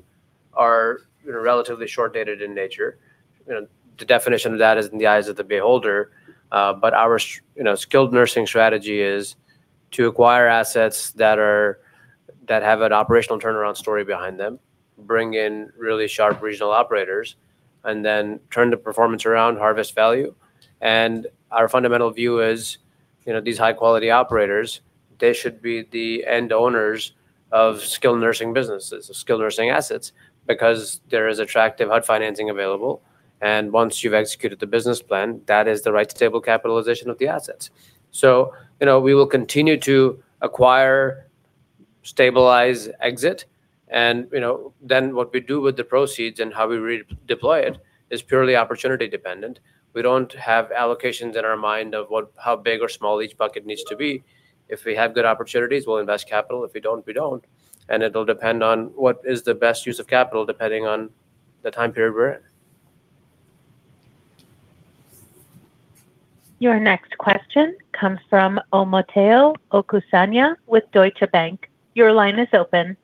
H: are relatively short-dated in nature. The definition of that is in the eyes of the beholder. But our skilled nursing strategy is to acquire assets that have an operational turnaround story behind them, bring in really sharp regional operators, and then turn the performance around, harvest value. And our fundamental view is these high-quality operators, they should be the end owners of skilled nursing businesses, of skilled nursing assets, because there is attractive HUD financing available. And once you've executed the business plan, that is the right stable capitalization of the assets. So we will continue to acquire, stabilize, exit. And then what we do with the proceeds and how we deploy it is purely opportunity-dependent. We don't have allocations in our mind of how big or small each bucket needs to be. If we have good opportunities, we'll invest capital. If we don't, we don't. It'll depend on what is the best use of capital, depending on the time period we're in.
A: Your next question comes from Omotayo Okusanya with Deutsche Bank. Your line is open.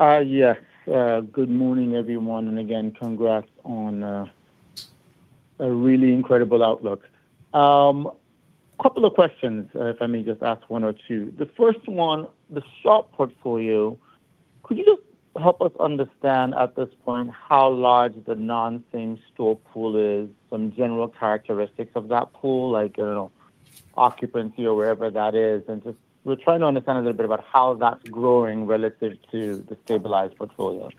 I: Yes. Good morning, everyone. Again, congrats on a really incredible outlook. A couple of questions, if I may just ask one or two. The first one, the SHOP portfolio, could you just help us understand at this point how large the non-same store pool is, some general characteristics of that pool, like occupancy or wherever that is? Just we're trying to understand a little bit about how that's growing relative to the stabilized portfolio.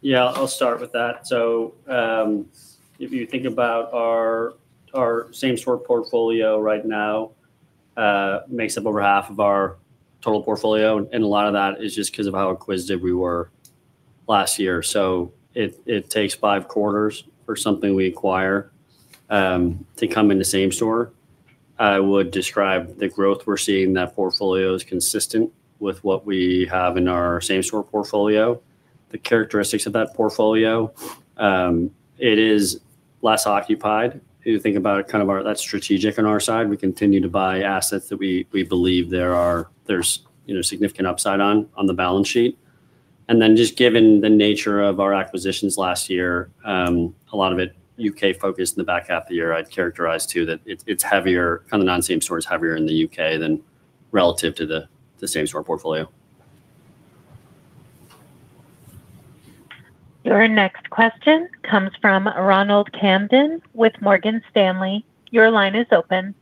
H: Yeah. I'll start with that. So if you think about our same store portfolio right now, it makes up over half of our total portfolio. And a lot of that is just because of how acquisitive we were last year. So it takes five quarters for something we acquire to come into same store. I would describe the growth we're seeing in that portfolio as consistent with what we have in our same store portfolio, the characteristics of that portfolio. It is less occupied. If you think about it, kind of that's strategic on our side. We continue to buy assets that we believe there's significant upside on the balance sheet. And then just given the nature of our acquisitions last year, a lot of it U.K.-focused in the back half of the year. I'd characterize too that it's heavier kind of non-same store is heavier in the U.K. relative to the same store portfolio.
A: Your next question comes from Ronald Kamdem with Morgan Stanley. Your line is open.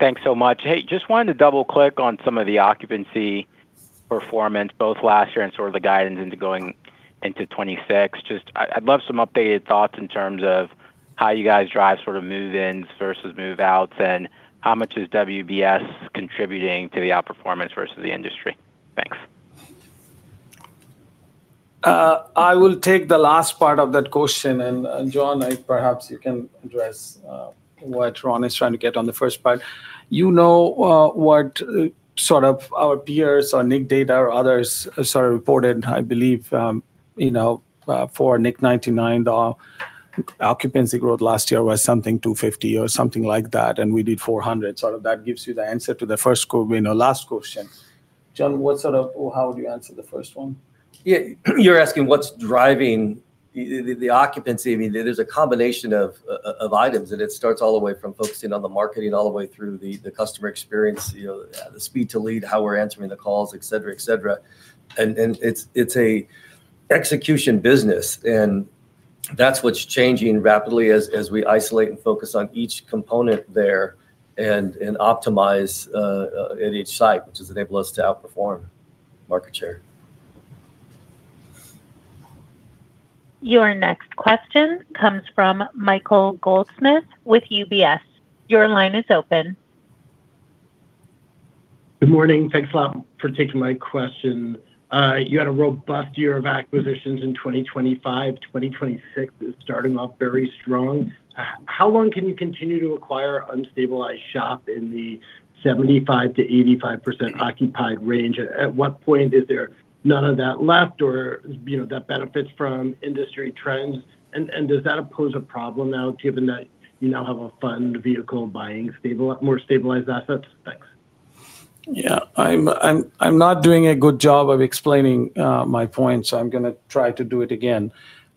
J: Thanks so much. Hey, just wanted to double-click on some of the occupancy performance, both last year and sort of the guidance into going into 2026. I'd love some updated thoughts in terms of how you guys drive sort of move-ins versus move-outs and how much is WBS contributing to the outperformance versus the industry. Thanks.
C: I will take the last part of that question. John, perhaps you can address what Ron is trying to get on the first part. You know what sort of our peers or NIC data or others sort of reported, I believe, for NIC 99, the occupancy growth last year was something 250 or something like that. And we did 400. Sort of that gives you the answer to the first last question. John, what sort of how would you answer the first one?
H: Yeah. You're asking what's driving the occupancy. I mean, there's a combination of items. And it starts all the way from focusing on the marketing all the way through the customer experience, the speed to lead, how we're answering the calls, etc., etc. And it's an execution business. And that's what's changing rapidly as we isolate and focus on each component there and optimize at each site, which has enabled us to outperform market share.
A: Your next question comes from Michael Goldsmith with UBS. Your line is open.
K: Good morning. Thanks a lot for taking my question. You had a robust year of acquisitions in 2025. 2026 is starting off very strong. How long can you continue to acquire unstabilized SHOP in the 75%-85% occupied range? At what point is there none of that left or that benefits from industry trends? And does that pose a problem now given that you now have a fund vehicle buying more stabilized assets? Thanks.
C: Yeah. I'm not doing a good job of explaining my points. I'm going to try to do it again.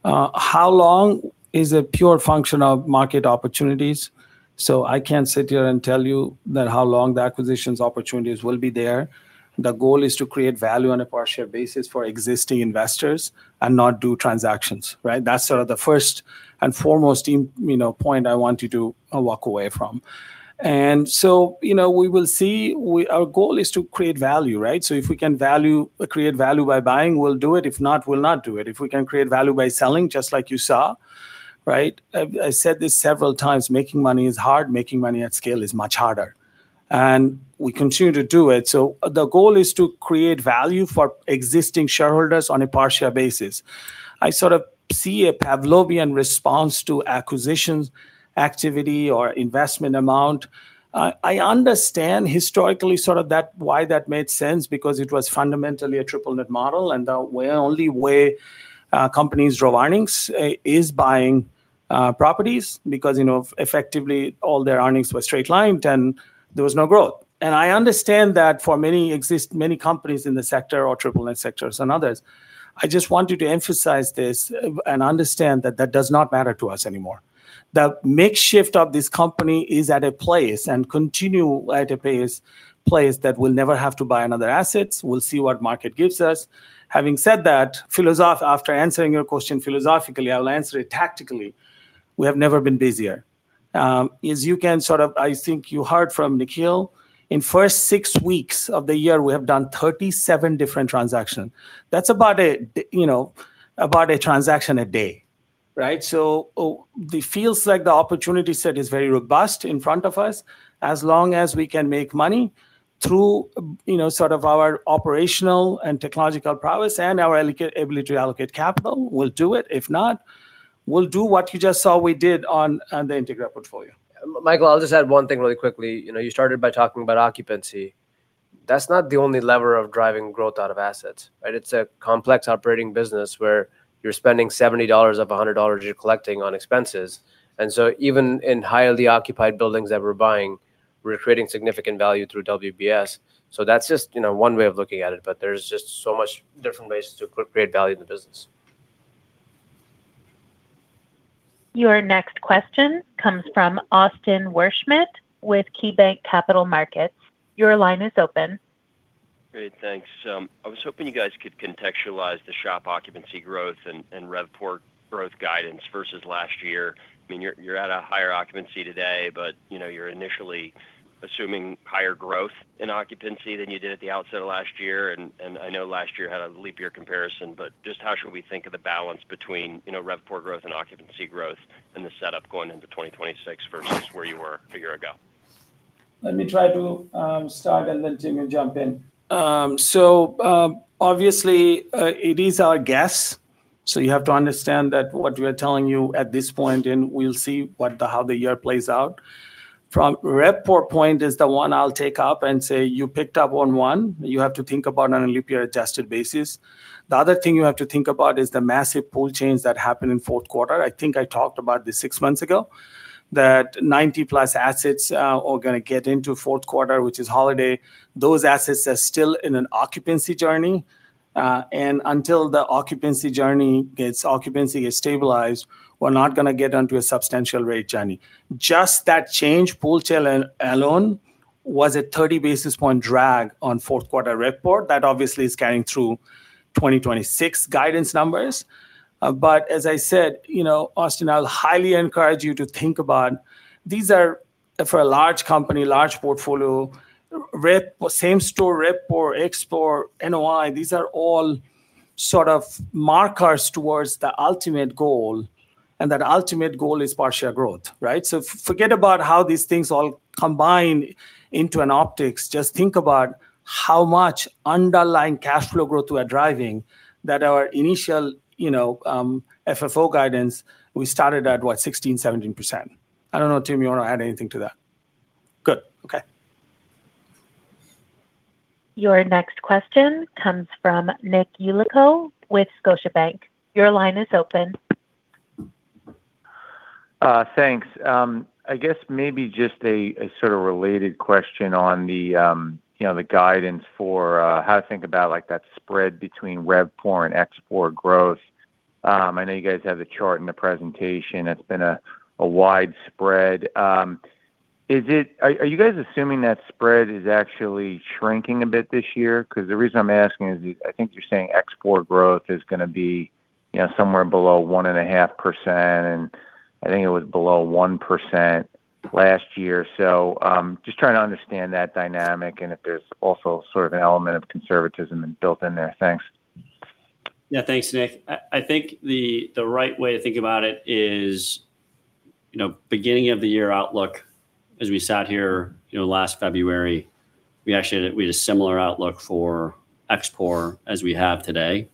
C: How long is it pure function of market opportunities? So I can't sit here and tell you that how long the acquisitions opportunities will be there. The goal is to create value on a per share basis for existing investors and not do transactions, right? That's sort of the first and foremost point I want you to walk away from. And so we will see. Our goal is to create value, right? So if we can create value by buying, we'll do it. If not, we'll not do it. If we can create value by selling, just like you saw, right? I said this several times. Making money is hard. Making money at scale is much harder. And we continue to do it. So the goal is to create value for existing shareholders on a per share basis. I sort of see a Pavlovian response to acquisitions activity or investment amount. I understand historically sort of why that made sense because it was fundamentally a triple-net model. The only way companies drove earnings is buying properties because effectively, all their earnings were straight-lined and there was no growth. I understand that for many companies in the sector or triple-net sectors and others, I just wanted to emphasize this and understand that that does not matter to us anymore. The makeup of this company is at a place and continue at a place that we'll never have to buy another asset. We'll see what market gives us. Having said that, after answering your question philosophically, I will answer it tactically. We have never been busier. As you can sort of, I think, you heard from Nikhil, in the first six weeks of the year, we have done 37 different transactions. That's about a transaction a day, right? So it feels like the opportunity set is very robust in front of us as long as we can make money through sort of our operational and technological prowess and our ability to allocate capital. We'll do it. If not, we'll do what you just saw we did on the Integra portfolio. Michael, I'll just add one thing really quickly. You started by talking about occupancy. That's not the only lever of driving growth out of assets, right? It's a complex operating business where you're spending $70 of $100 you're collecting on expenses. And so even in highly occupied buildings that we're buying, we're creating significant value through WBS. So that's just one way of looking at it. But there's just so much different ways to create value in the business.
A: Your next question comes from Austin Wurschmidt with KeyBanc Capital Markets. Your line is open.
L: Great. Thanks. I was hoping you guys could contextualize the SHOP occupancy growth and RevPOR growth guidance versus last year. I mean, you're at a higher occupancy today, but you're initially assuming higher growth in occupancy than you did at the outset of last year. And I know last year had a leap year comparison. But just how should we think of the balance between RevPOR growth and occupancy growth and the setup going into 2026 versus where you were a year ago?
C: Let me try to start and then Tim will jump in. So obviously, it is our guess. So you have to understand that what we are telling you at this point, and we'll see how the year plays out. From RevPOR point, it's the one I'll take up and say you picked up on one. You have to think about it on a leap year-adjusted basis. The other thing you have to think about is the massive pool change that happened in fourth quarter. I think I talked about this six months ago, that 90+ assets are going to get into fourth quarter, which is Holiday. Those assets are still in an occupancy journey. And until the occupancy journey gets stabilized, we're not going to get onto a substantial rate journey. Just that change pool change alone was a 30 basis point drag on fourth quarter RevPOR. That obviously is carrying through 2026 guidance numbers. But as I said, Austin, I'll highly encourage you to think about these are for a large company, large portfolio, same store, RevPOR, ExPOR, NOI. These are all sort of markers towards the ultimate goal. And that ultimate goal is portfolio growth, right? So forget about how these things all combine into an optics. Just think about how much underlying cash flow growth we are driving that our initial FFO guidance, we started at, what, 16%, 17%? I don't know, Tim, you want to add anything to that? Good. Okay.
A: Your next question comes from Nick Yulico with Scotiabank. Your line is open.
M: Thanks. I guess maybe just a sort of related question on the guidance for how to think about that spread between RevPOR and ExPOR growth. I know you guys have the chart in the presentation. It's been a wide spread. Are you guys assuming that spread is actually shrinking a bit this year? Because the reason I'm asking is I think you're saying ExPOR growth is going to be somewhere below 1.5%. And I think it was below 1% last year. So just trying to understand that dynamic and if there's also sort of an element of conservatism built in there. Thanks.
H: Yeah. Thanks, Nick. I think the right way to think about it is beginning of the year outlook, as we sat here last February, we had a similar outlook for ExPOR as we have today.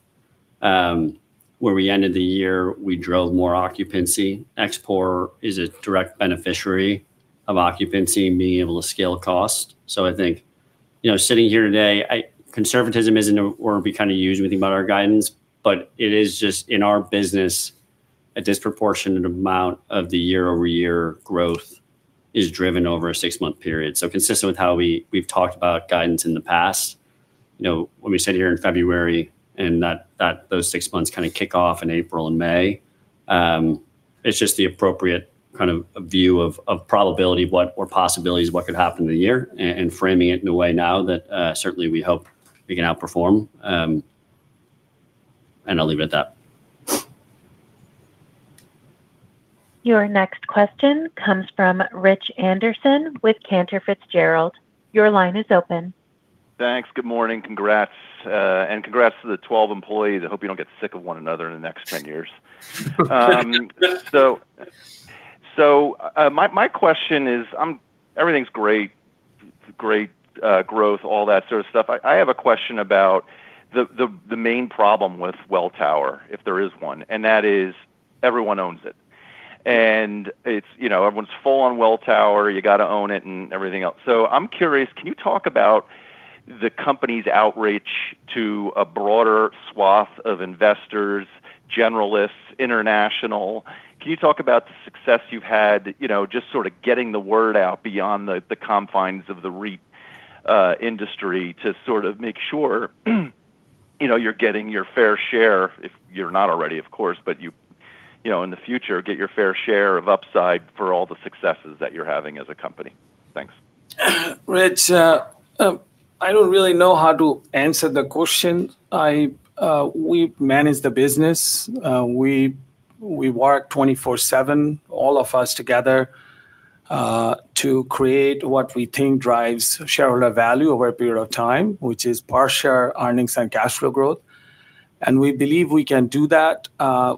H: Where we ended the year, we drove more occupancy. ExPOR is a direct beneficiary of occupancy, being able to scale cost. So I think sitting here today, conservatism isn't a word we kind of use when we think about our guidance. But it is just in our business, a disproportionate amount of the year-over-year growth is driven over a six-month period. Consistent with how we've talked about guidance in the past, when we sat here in February and those six months kind of kick off in April and May, it's just the appropriate kind of view of probability, what were possibilities, what could happen in the year, and framing it in a way now that certainly we hope we can outperform. I'll leave it at that.
A: Your next question comes from Rich Anderson with Cantor Fitzgerald. Your line is open.
N: Thanks. Good morning. Congrats. And congrats to the 12 employees. I hope you don't get sick of one another in the next 10 years. So my question is everything's great, great growth, all that sort of stuff. I have a question about the main problem with Welltower, if there is one. And that is everyone owns it. And everyone's full on Welltower. You got to own it and everything else. So I'm curious, can you talk about the company's outreach to a broader swath of investors, generalists, international? Can you talk about the success you've had just sort of getting the word out beyond the confines of the REIT industry to sort of make sure you're getting your fair share if you're not already, of course, but in the future, get your fair share of upside for all the successes that you're having as a company? Thanks.
C: Rich, I don't really know how to answer the question. We manage the business. We work 24/7, all of us together, to create what we think drives shareholder value over a period of time, which is partial earnings and cash flow growth. And we believe we can do that.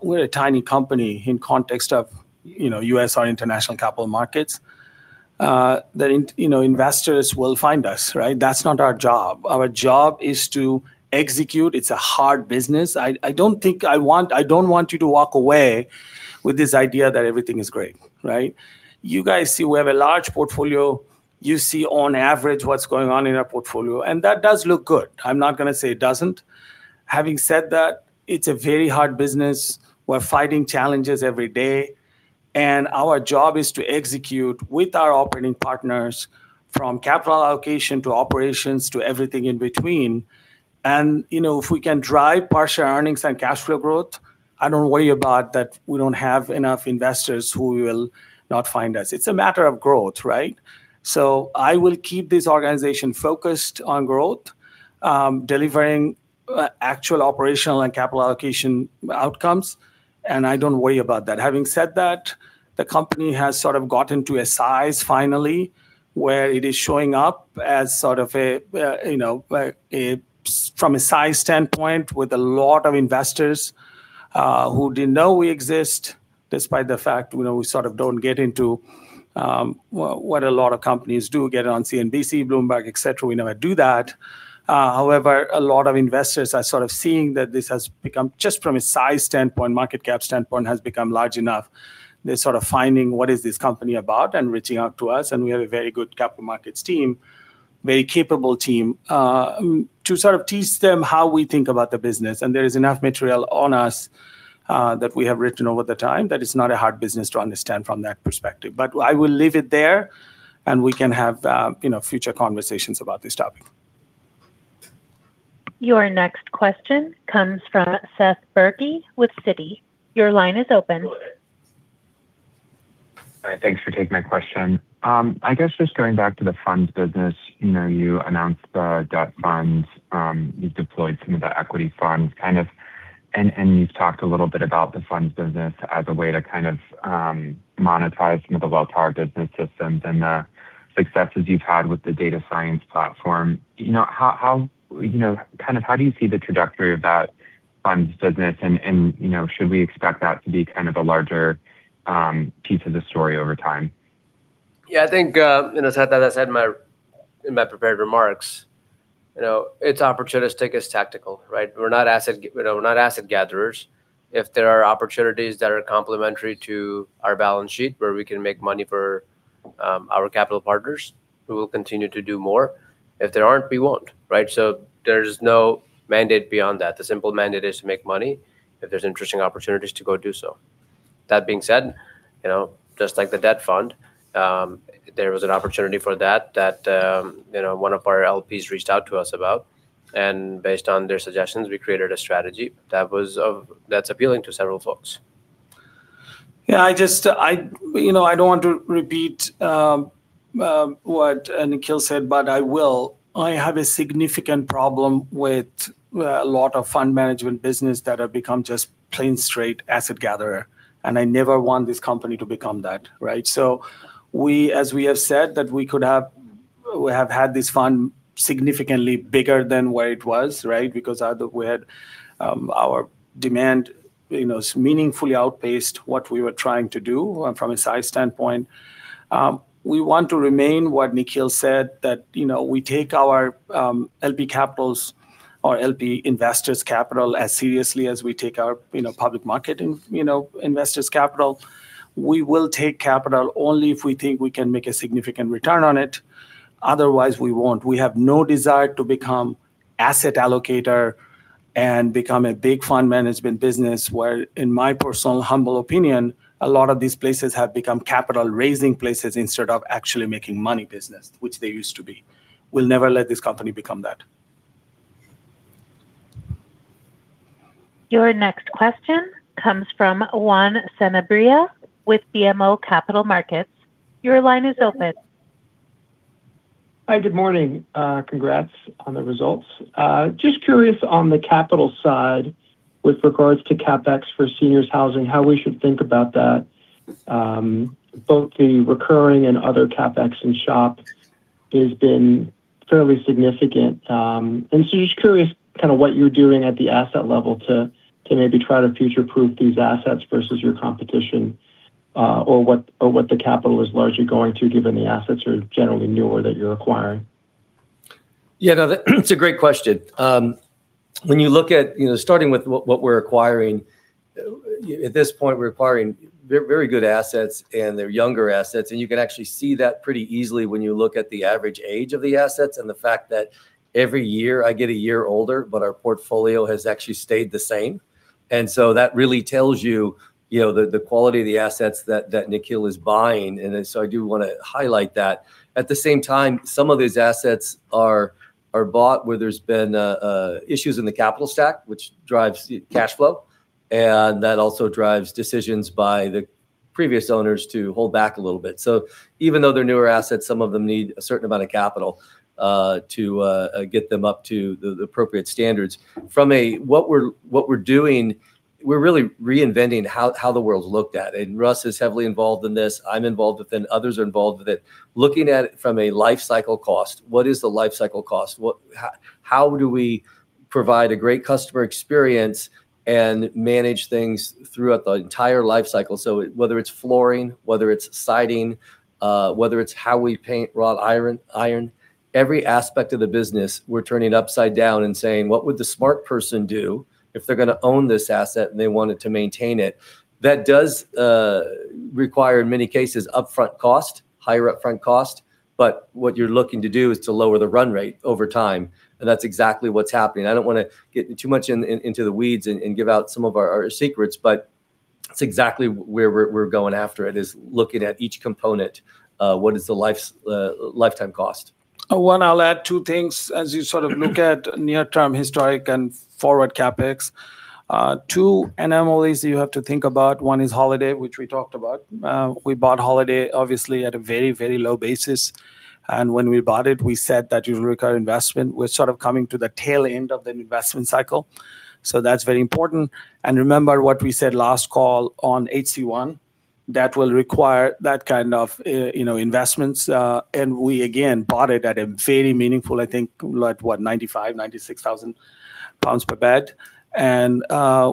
C: We're a tiny company in the context of U.S. or international capital markets that investors will find us, right? That's not our job. Our job is to execute. It's a hard business. I don't think I want I don't want you to walk away with this idea that everything is great, right? You guys see we have a large portfolio. You see, on average, what's going on in our portfolio. And that does look good. I'm not going to say it doesn't. Having said that, it's a very hard business. We're fighting challenges every day. Our job is to execute with our operating partners from capital allocation to operations to everything in between. If we can drive partial earnings and cash flow growth, I don't worry about that we don't have enough investors who will not find us. It's a matter of growth, right? I will keep this organization focused on growth, delivering actual operational and capital allocation outcomes. I don't worry about that. Having said that, the company has sort of gotten to a size finally where it is showing up as sort of from a size standpoint with a lot of investors who didn't know we exist despite the fact we sort of don't get into what a lot of companies do, get on CNBC, Bloomberg, etc. We never do that. However, a lot of investors are sort of seeing that this has become just from a size standpoint, market cap standpoint, has become large enough. They're sort of finding what is this company about and reaching out to us. And we have a very good capital markets team, very capable team, to sort of teach them how we think about the business. And there is enough material on us that we have written over the time that it's not a hard business to understand from that perspective. But I will leave it there. And we can have future conversations about this topic.
A: Your next question comes from Seth Burke with Citi. Your line is open.
O: Hi. Thanks for taking my question. I guess just going back to the funds business, you announced the debt funds. You've deployed some of the equity funds kind of. And you've talked a little bit about the funds business as a way to kind of monetize some of the Welltower Business Systems and the successes you've had with the data science platform. Kind of how do you see the trajectory of that funds business? And should we expect that to be kind of a larger piece of the story over time?
H: Yeah. I think, as I said in my prepared remarks, it's opportunistic as tactical, right? We're not asset gatherers. If there are opportunities that are complementary to our balance sheet where we can make money for our capital partners, we will continue to do more. If there aren't, we won't, right? So there's no mandate beyond that. The simple mandate is to make money if there's interesting opportunities to go do so. That being said, just like the debt fund, there was an opportunity for that that one of our LPs reached out to us about. And based on their suggestions, we created a strategy that's appealing to several folks.
C: Yeah. I don't want to repeat what Nikhil said, but I will. I have a significant problem with a lot of fund management business that have become just plain straight asset gatherer. And I never want this company to become that, right? So as we have said that we could have had this fund significantly bigger than where it was, right, because either we had our demand meaningfully outpaced what we were trying to do from a size standpoint. We want to remain what Nikhil said, that we take our LP capitals or LP investors' capital as seriously as we take our public market investors' capital. We will take capital only if we think we can make a significant return on it. Otherwise, we won't. We have no desire to become asset allocator and become a big fund management business where, in my personal humble opinion, a lot of these places have become capital-raising places instead of actually making money business, which they used to be. We'll never let this company become that.
A: Your next question comes from Juan Sanabria with BMO Capital Markets. Your line is open.
P: Hi. Good morning. Congrats on the results. Just curious on the capital side with regards to CapEx for seniors' housing, how we should think about that. Both the recurring and other CapEx in shop has been fairly significant. And so just curious kind of what you're doing at the asset level to maybe try to future-proof these assets versus your competition or what the capital is largely going to given the assets are generally newer that you're acquiring.
Q: Yeah. No, it's a great question. When you look at starting with what we're acquiring, at this point, we're acquiring very good assets, and they're younger assets. You can actually see that pretty easily when you look at the average age of the assets and the fact that every year, I get a year older, but our portfolio has actually stayed the same. That really tells you the quality of the assets that Nikhil is buying. I do want to highlight that. At the same time, some of these assets are bought where there's been issues in the capital stack, which drives cash flow. That also drives decisions by the previous owners to hold back a little bit. Even though they're newer assets, some of them need a certain amount of capital to get them up to the appropriate standards. From what we're doing, we're really reinventing how the world's looked at. Russ is heavily involved in this. I'm involved with it. Others are involved with it. Looking at it from a lifecycle cost, what is the lifecycle cost? How do we provide a great customer experience and manage things throughout the entire lifecycle? Whether it's flooring, whether it's siding, whether it's how we paint wrought iron, every aspect of the business, we're turning upside down and saying, "What would the smart person do if they're going to own this asset and they wanted to maintain it?" That does require, in many cases, upfront cost, higher upfront cost. What you're looking to do is to lower the run rate over time. That's exactly what's happening. I don't want to get too much into the weeds and give out some of our secrets. It's exactly where we're going after it is looking at each component. What is the lifetime cost?
C: Oh, Juan, I'll add two things. As you sort of look at near-term historic and forward CapEx, two animals that you have to think about. One is Holiday, which we talked about. We bought Holiday, obviously, at a very, very low basis. And when we bought it, we said that it was a recurring investment. We're sort of coming to the tail end of the investment cycle. So that's very important. And remember what we said last call on HC-One? That will require that kind of investments. And we, again, bought it at a very meaningful, I think, at what, 95,000-96,000 pounds per bed. And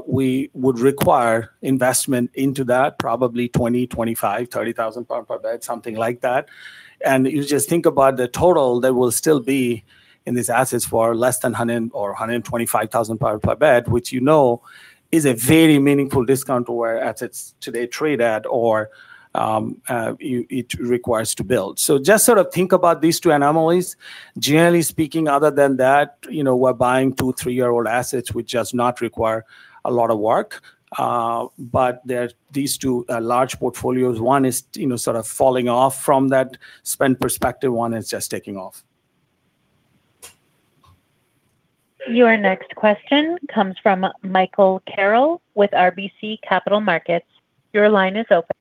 C: we would require investment into that, probably 20,000, 25,000, 30,000 pounds per bed, something like that. You just think about the total that will still be in these assets for less than 100,000 or 125,000 per bed, which you know is a very meaningful discount to where assets today trade at or it requires to build. Just sort of think about these two animals. Generally speaking, other than that, we're buying 2- or 3-year-old assets which just not require a lot of work. But these two large portfolios, one is sort of falling off from that spend perspective. One is just taking off.
A: Your next question comes from Michael Carroll with RBC Capital Markets. Your line is open.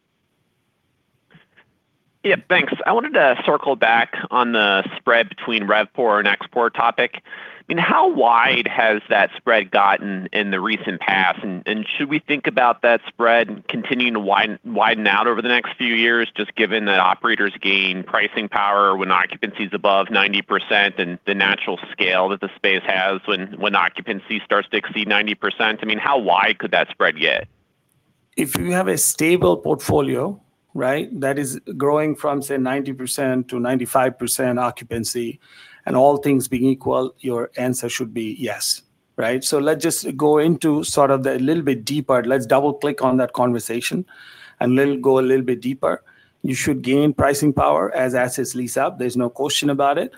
R: Yeah. Thanks. I wanted to circle back on the spread between RevPOR and ExPOR topic. I mean, how wide has that spread gotten in the recent past? And should we think about that spread continuing to widen out over the next few years just given that operators gain pricing power when occupancy is above 90% and the natural scale that the space has when occupancy starts to exceed 90%? I mean, how wide could that spread get?
C: If you have a stable portfolio, right, that is growing from, say, 90%-95% occupancy and all things being equal, your answer should be yes, right? So let's just go into sort of the a little bit deeper. Let's double-click on that conversation and go a little bit deeper. You should gain pricing power as assets lease up. There's no question about it.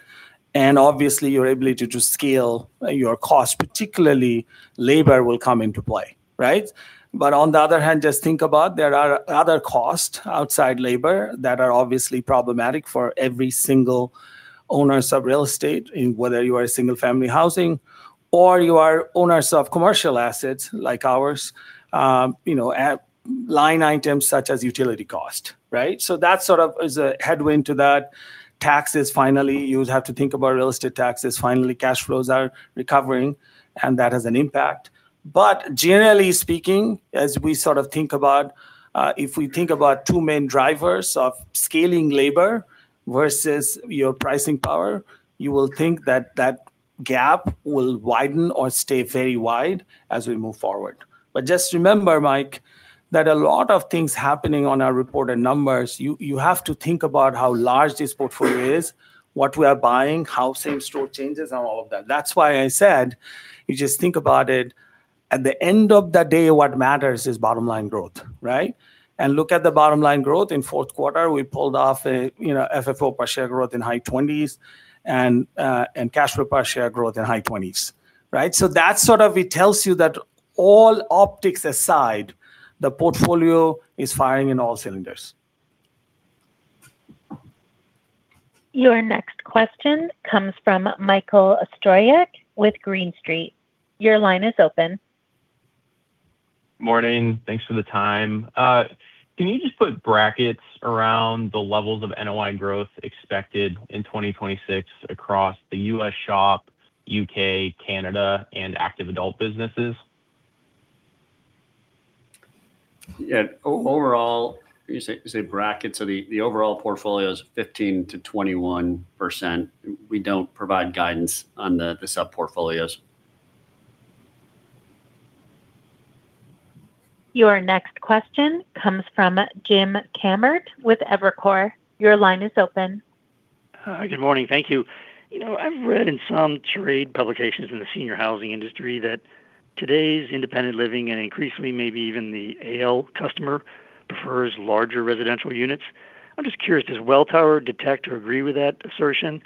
C: And obviously, you're able to scale your cost, particularly labor will come into play, right? But on the other hand, just think about there are other costs outside labor that are obviously problematic for every single owner of real estate, whether you are a single-family housing or you are owners of commercial assets like ours, line items such as utility cost, right? So that sort of is a headwind to that. Taxes, finally, you have to think about real estate taxes. Finally, cash flows are recovering. That has an impact. Generally speaking, as we sort of think about, if we think about two main drivers of scaling labor versus your pricing power, you will think that that gap will widen or stay very wide as we move forward. Just remember, Mike, that a lot of things happening on our report and numbers, you have to think about how large this portfolio is, what we are buying, housing, store changes, and all of that. That's why I said you just think about it. At the end of the day, what matters is bottom-line growth, right? Look at the bottom-line growth. In fourth quarter, we pulled off FFO per share growth in high 20s and cash flow per share growth in high 20s, right? That sort of tells you that all optics aside, the portfolio is firing on all cylinders.
A: Your next question comes from Michael Stroyeck with Green Street. Your line is open.
S: Morning. Thanks for the time. Can you just put brackets around the levels of NOI growth expected in 2026 across the U.S. SHOP, U.K., Canada, and active adult businesses?
C: Yeah. Overall, you say brackets. So the overall portfolio is 15%-21%. We don't provide guidance on the subportfolios.
A: Your next question comes from Jim Kammert with Evercore. Your line is open.
T: Good morning. Thank you. I've read in some trade publications in the senior housing industry that today's independent living and increasingly, maybe even the AL customer prefers larger residential units. I'm just curious, does Welltower detect or agree with that assertion?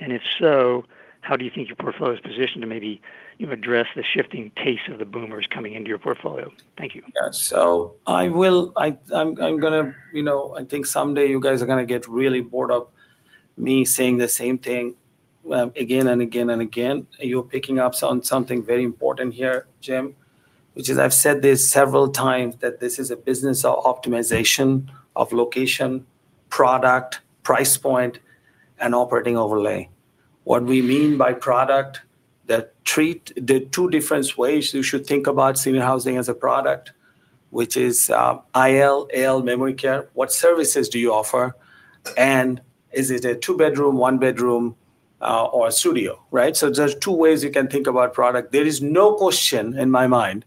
T: And if so, how do you think your portfolio is positioned to maybe address the shifting taste of the boomers coming into your portfolio? Thank you.
Q: Yeah. So I'm going to, I think, someday, you guys are going to get really bored of me saying the same thing again and again and again. You're picking up on something very important here, Jim, which is, I've said this several times, that this is a business optimization of location, product, price point, and operating overlay. What we mean by product, there are two different ways you should think about senior housing as a product, which is IL, AL, memory care. What services do you offer? And is it a two-bedroom, one-bedroom, or a studio, right? So there's two ways you can think about product. There is no question in my mind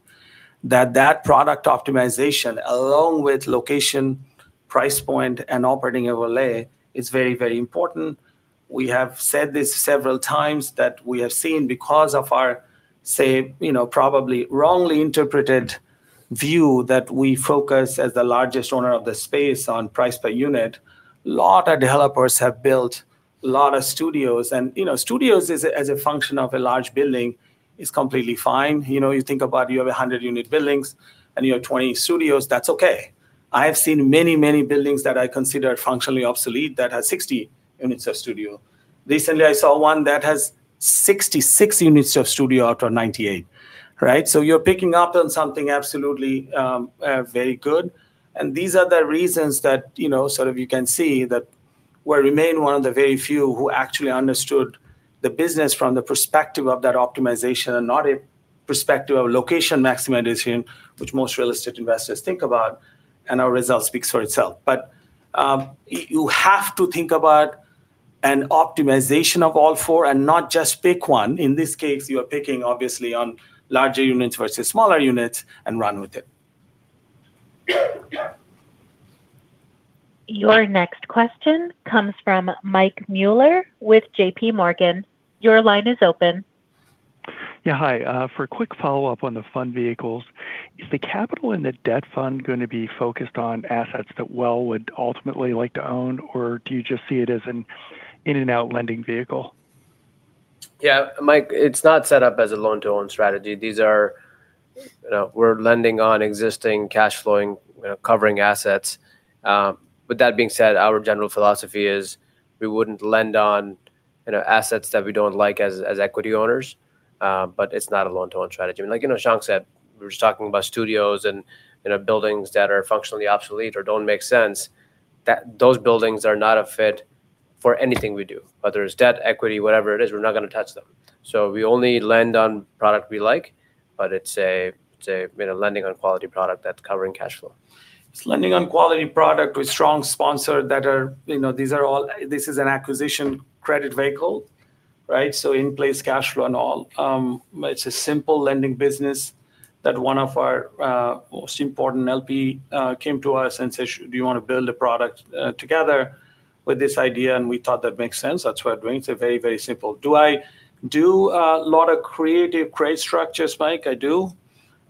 Q: that that product optimization, along with location, price point, and operating overlay, is very, very important. We have said this several times that we have seen because of our, say, probably wrongly interpreted view that we focus as the largest owner of the space on price per unit. A lot of developers have built a lot of studios. And studios, as a function of a large building, is completely fine. You think about you have 100-unit buildings and you have 20 studios. That's okay. I have seen many, many buildings that I consider functionally obsolete that have 60 units of studio. Recently, I saw one that has 66 units of studio out of 98, right? So you're picking up on something absolutely very good. These are the reasons that sort of you can see that we remain one of the very few who actually understood the business from the perspective of that optimization and not a perspective of location maximization, which most real estate investors think about. Our results speak for itself. You have to think about an optimization of all four and not just pick one. In this case, you are picking, obviously, on larger units versus smaller units and run with it.
A: Your next question comes from Mike Mueller with J.P. Morgan. Your line is open.
U: Yeah. Hi. For a quick follow-up on the fund vehicles, is the capital and the debt fund going to be focused on assets that Well would ultimately like to own? Or do you just see it as an in-and-out lending vehicle? Yeah, Mike, it's not set up as a loan-to-own strategy. We're lending on existing cash-flowing, covering assets. With that being said, our general philosophy is we wouldn't lend on assets that we don't like as equity owners. But it's not a loan-to-own strategy. I mean, like Shankh said, we were just talking about studios and buildings that are functionally obsolete or don't make sense. Those buildings are not a fit for anything we do. Whether it's debt, equity, whatever it is, we're not going to touch them. So we only lend on product we like. But it's a lending on quality product that's covering cash flow.
C: It's lending on quality product with strong sponsors that are these are all this is an acquisition credit vehicle, right? So in-place cash flow and all. It's a simple lending business that one of our most important LPs came to us and said, "Do you want to build a product together with this idea?" And we thought that makes sense. That's what we're doing. It's very, very simple. Do I do a lot of creative credit structures, Mike? I do.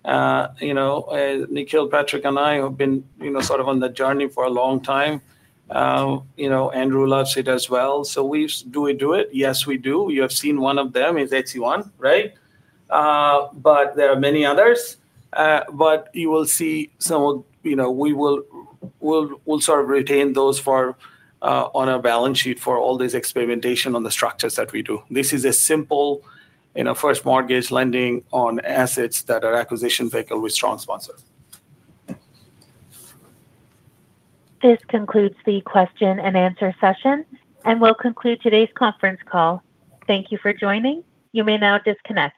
C: Nikhil, Patrick, and I have been sort of on the journey for a long time. Andrew loves it as well. So do we do it? Yes, we do. You have seen one of them is HC1, right? But there are many others. But you will see some we will sort of retain those on our balance sheet for all this experimentation on the structures that we do. This is a simple first mortgage lending on assets that are acquisition vehicle with strong sponsors.
A: This concludes the question-and-answer session and will conclude today's conference call. Thank you for joining. You may now disconnect.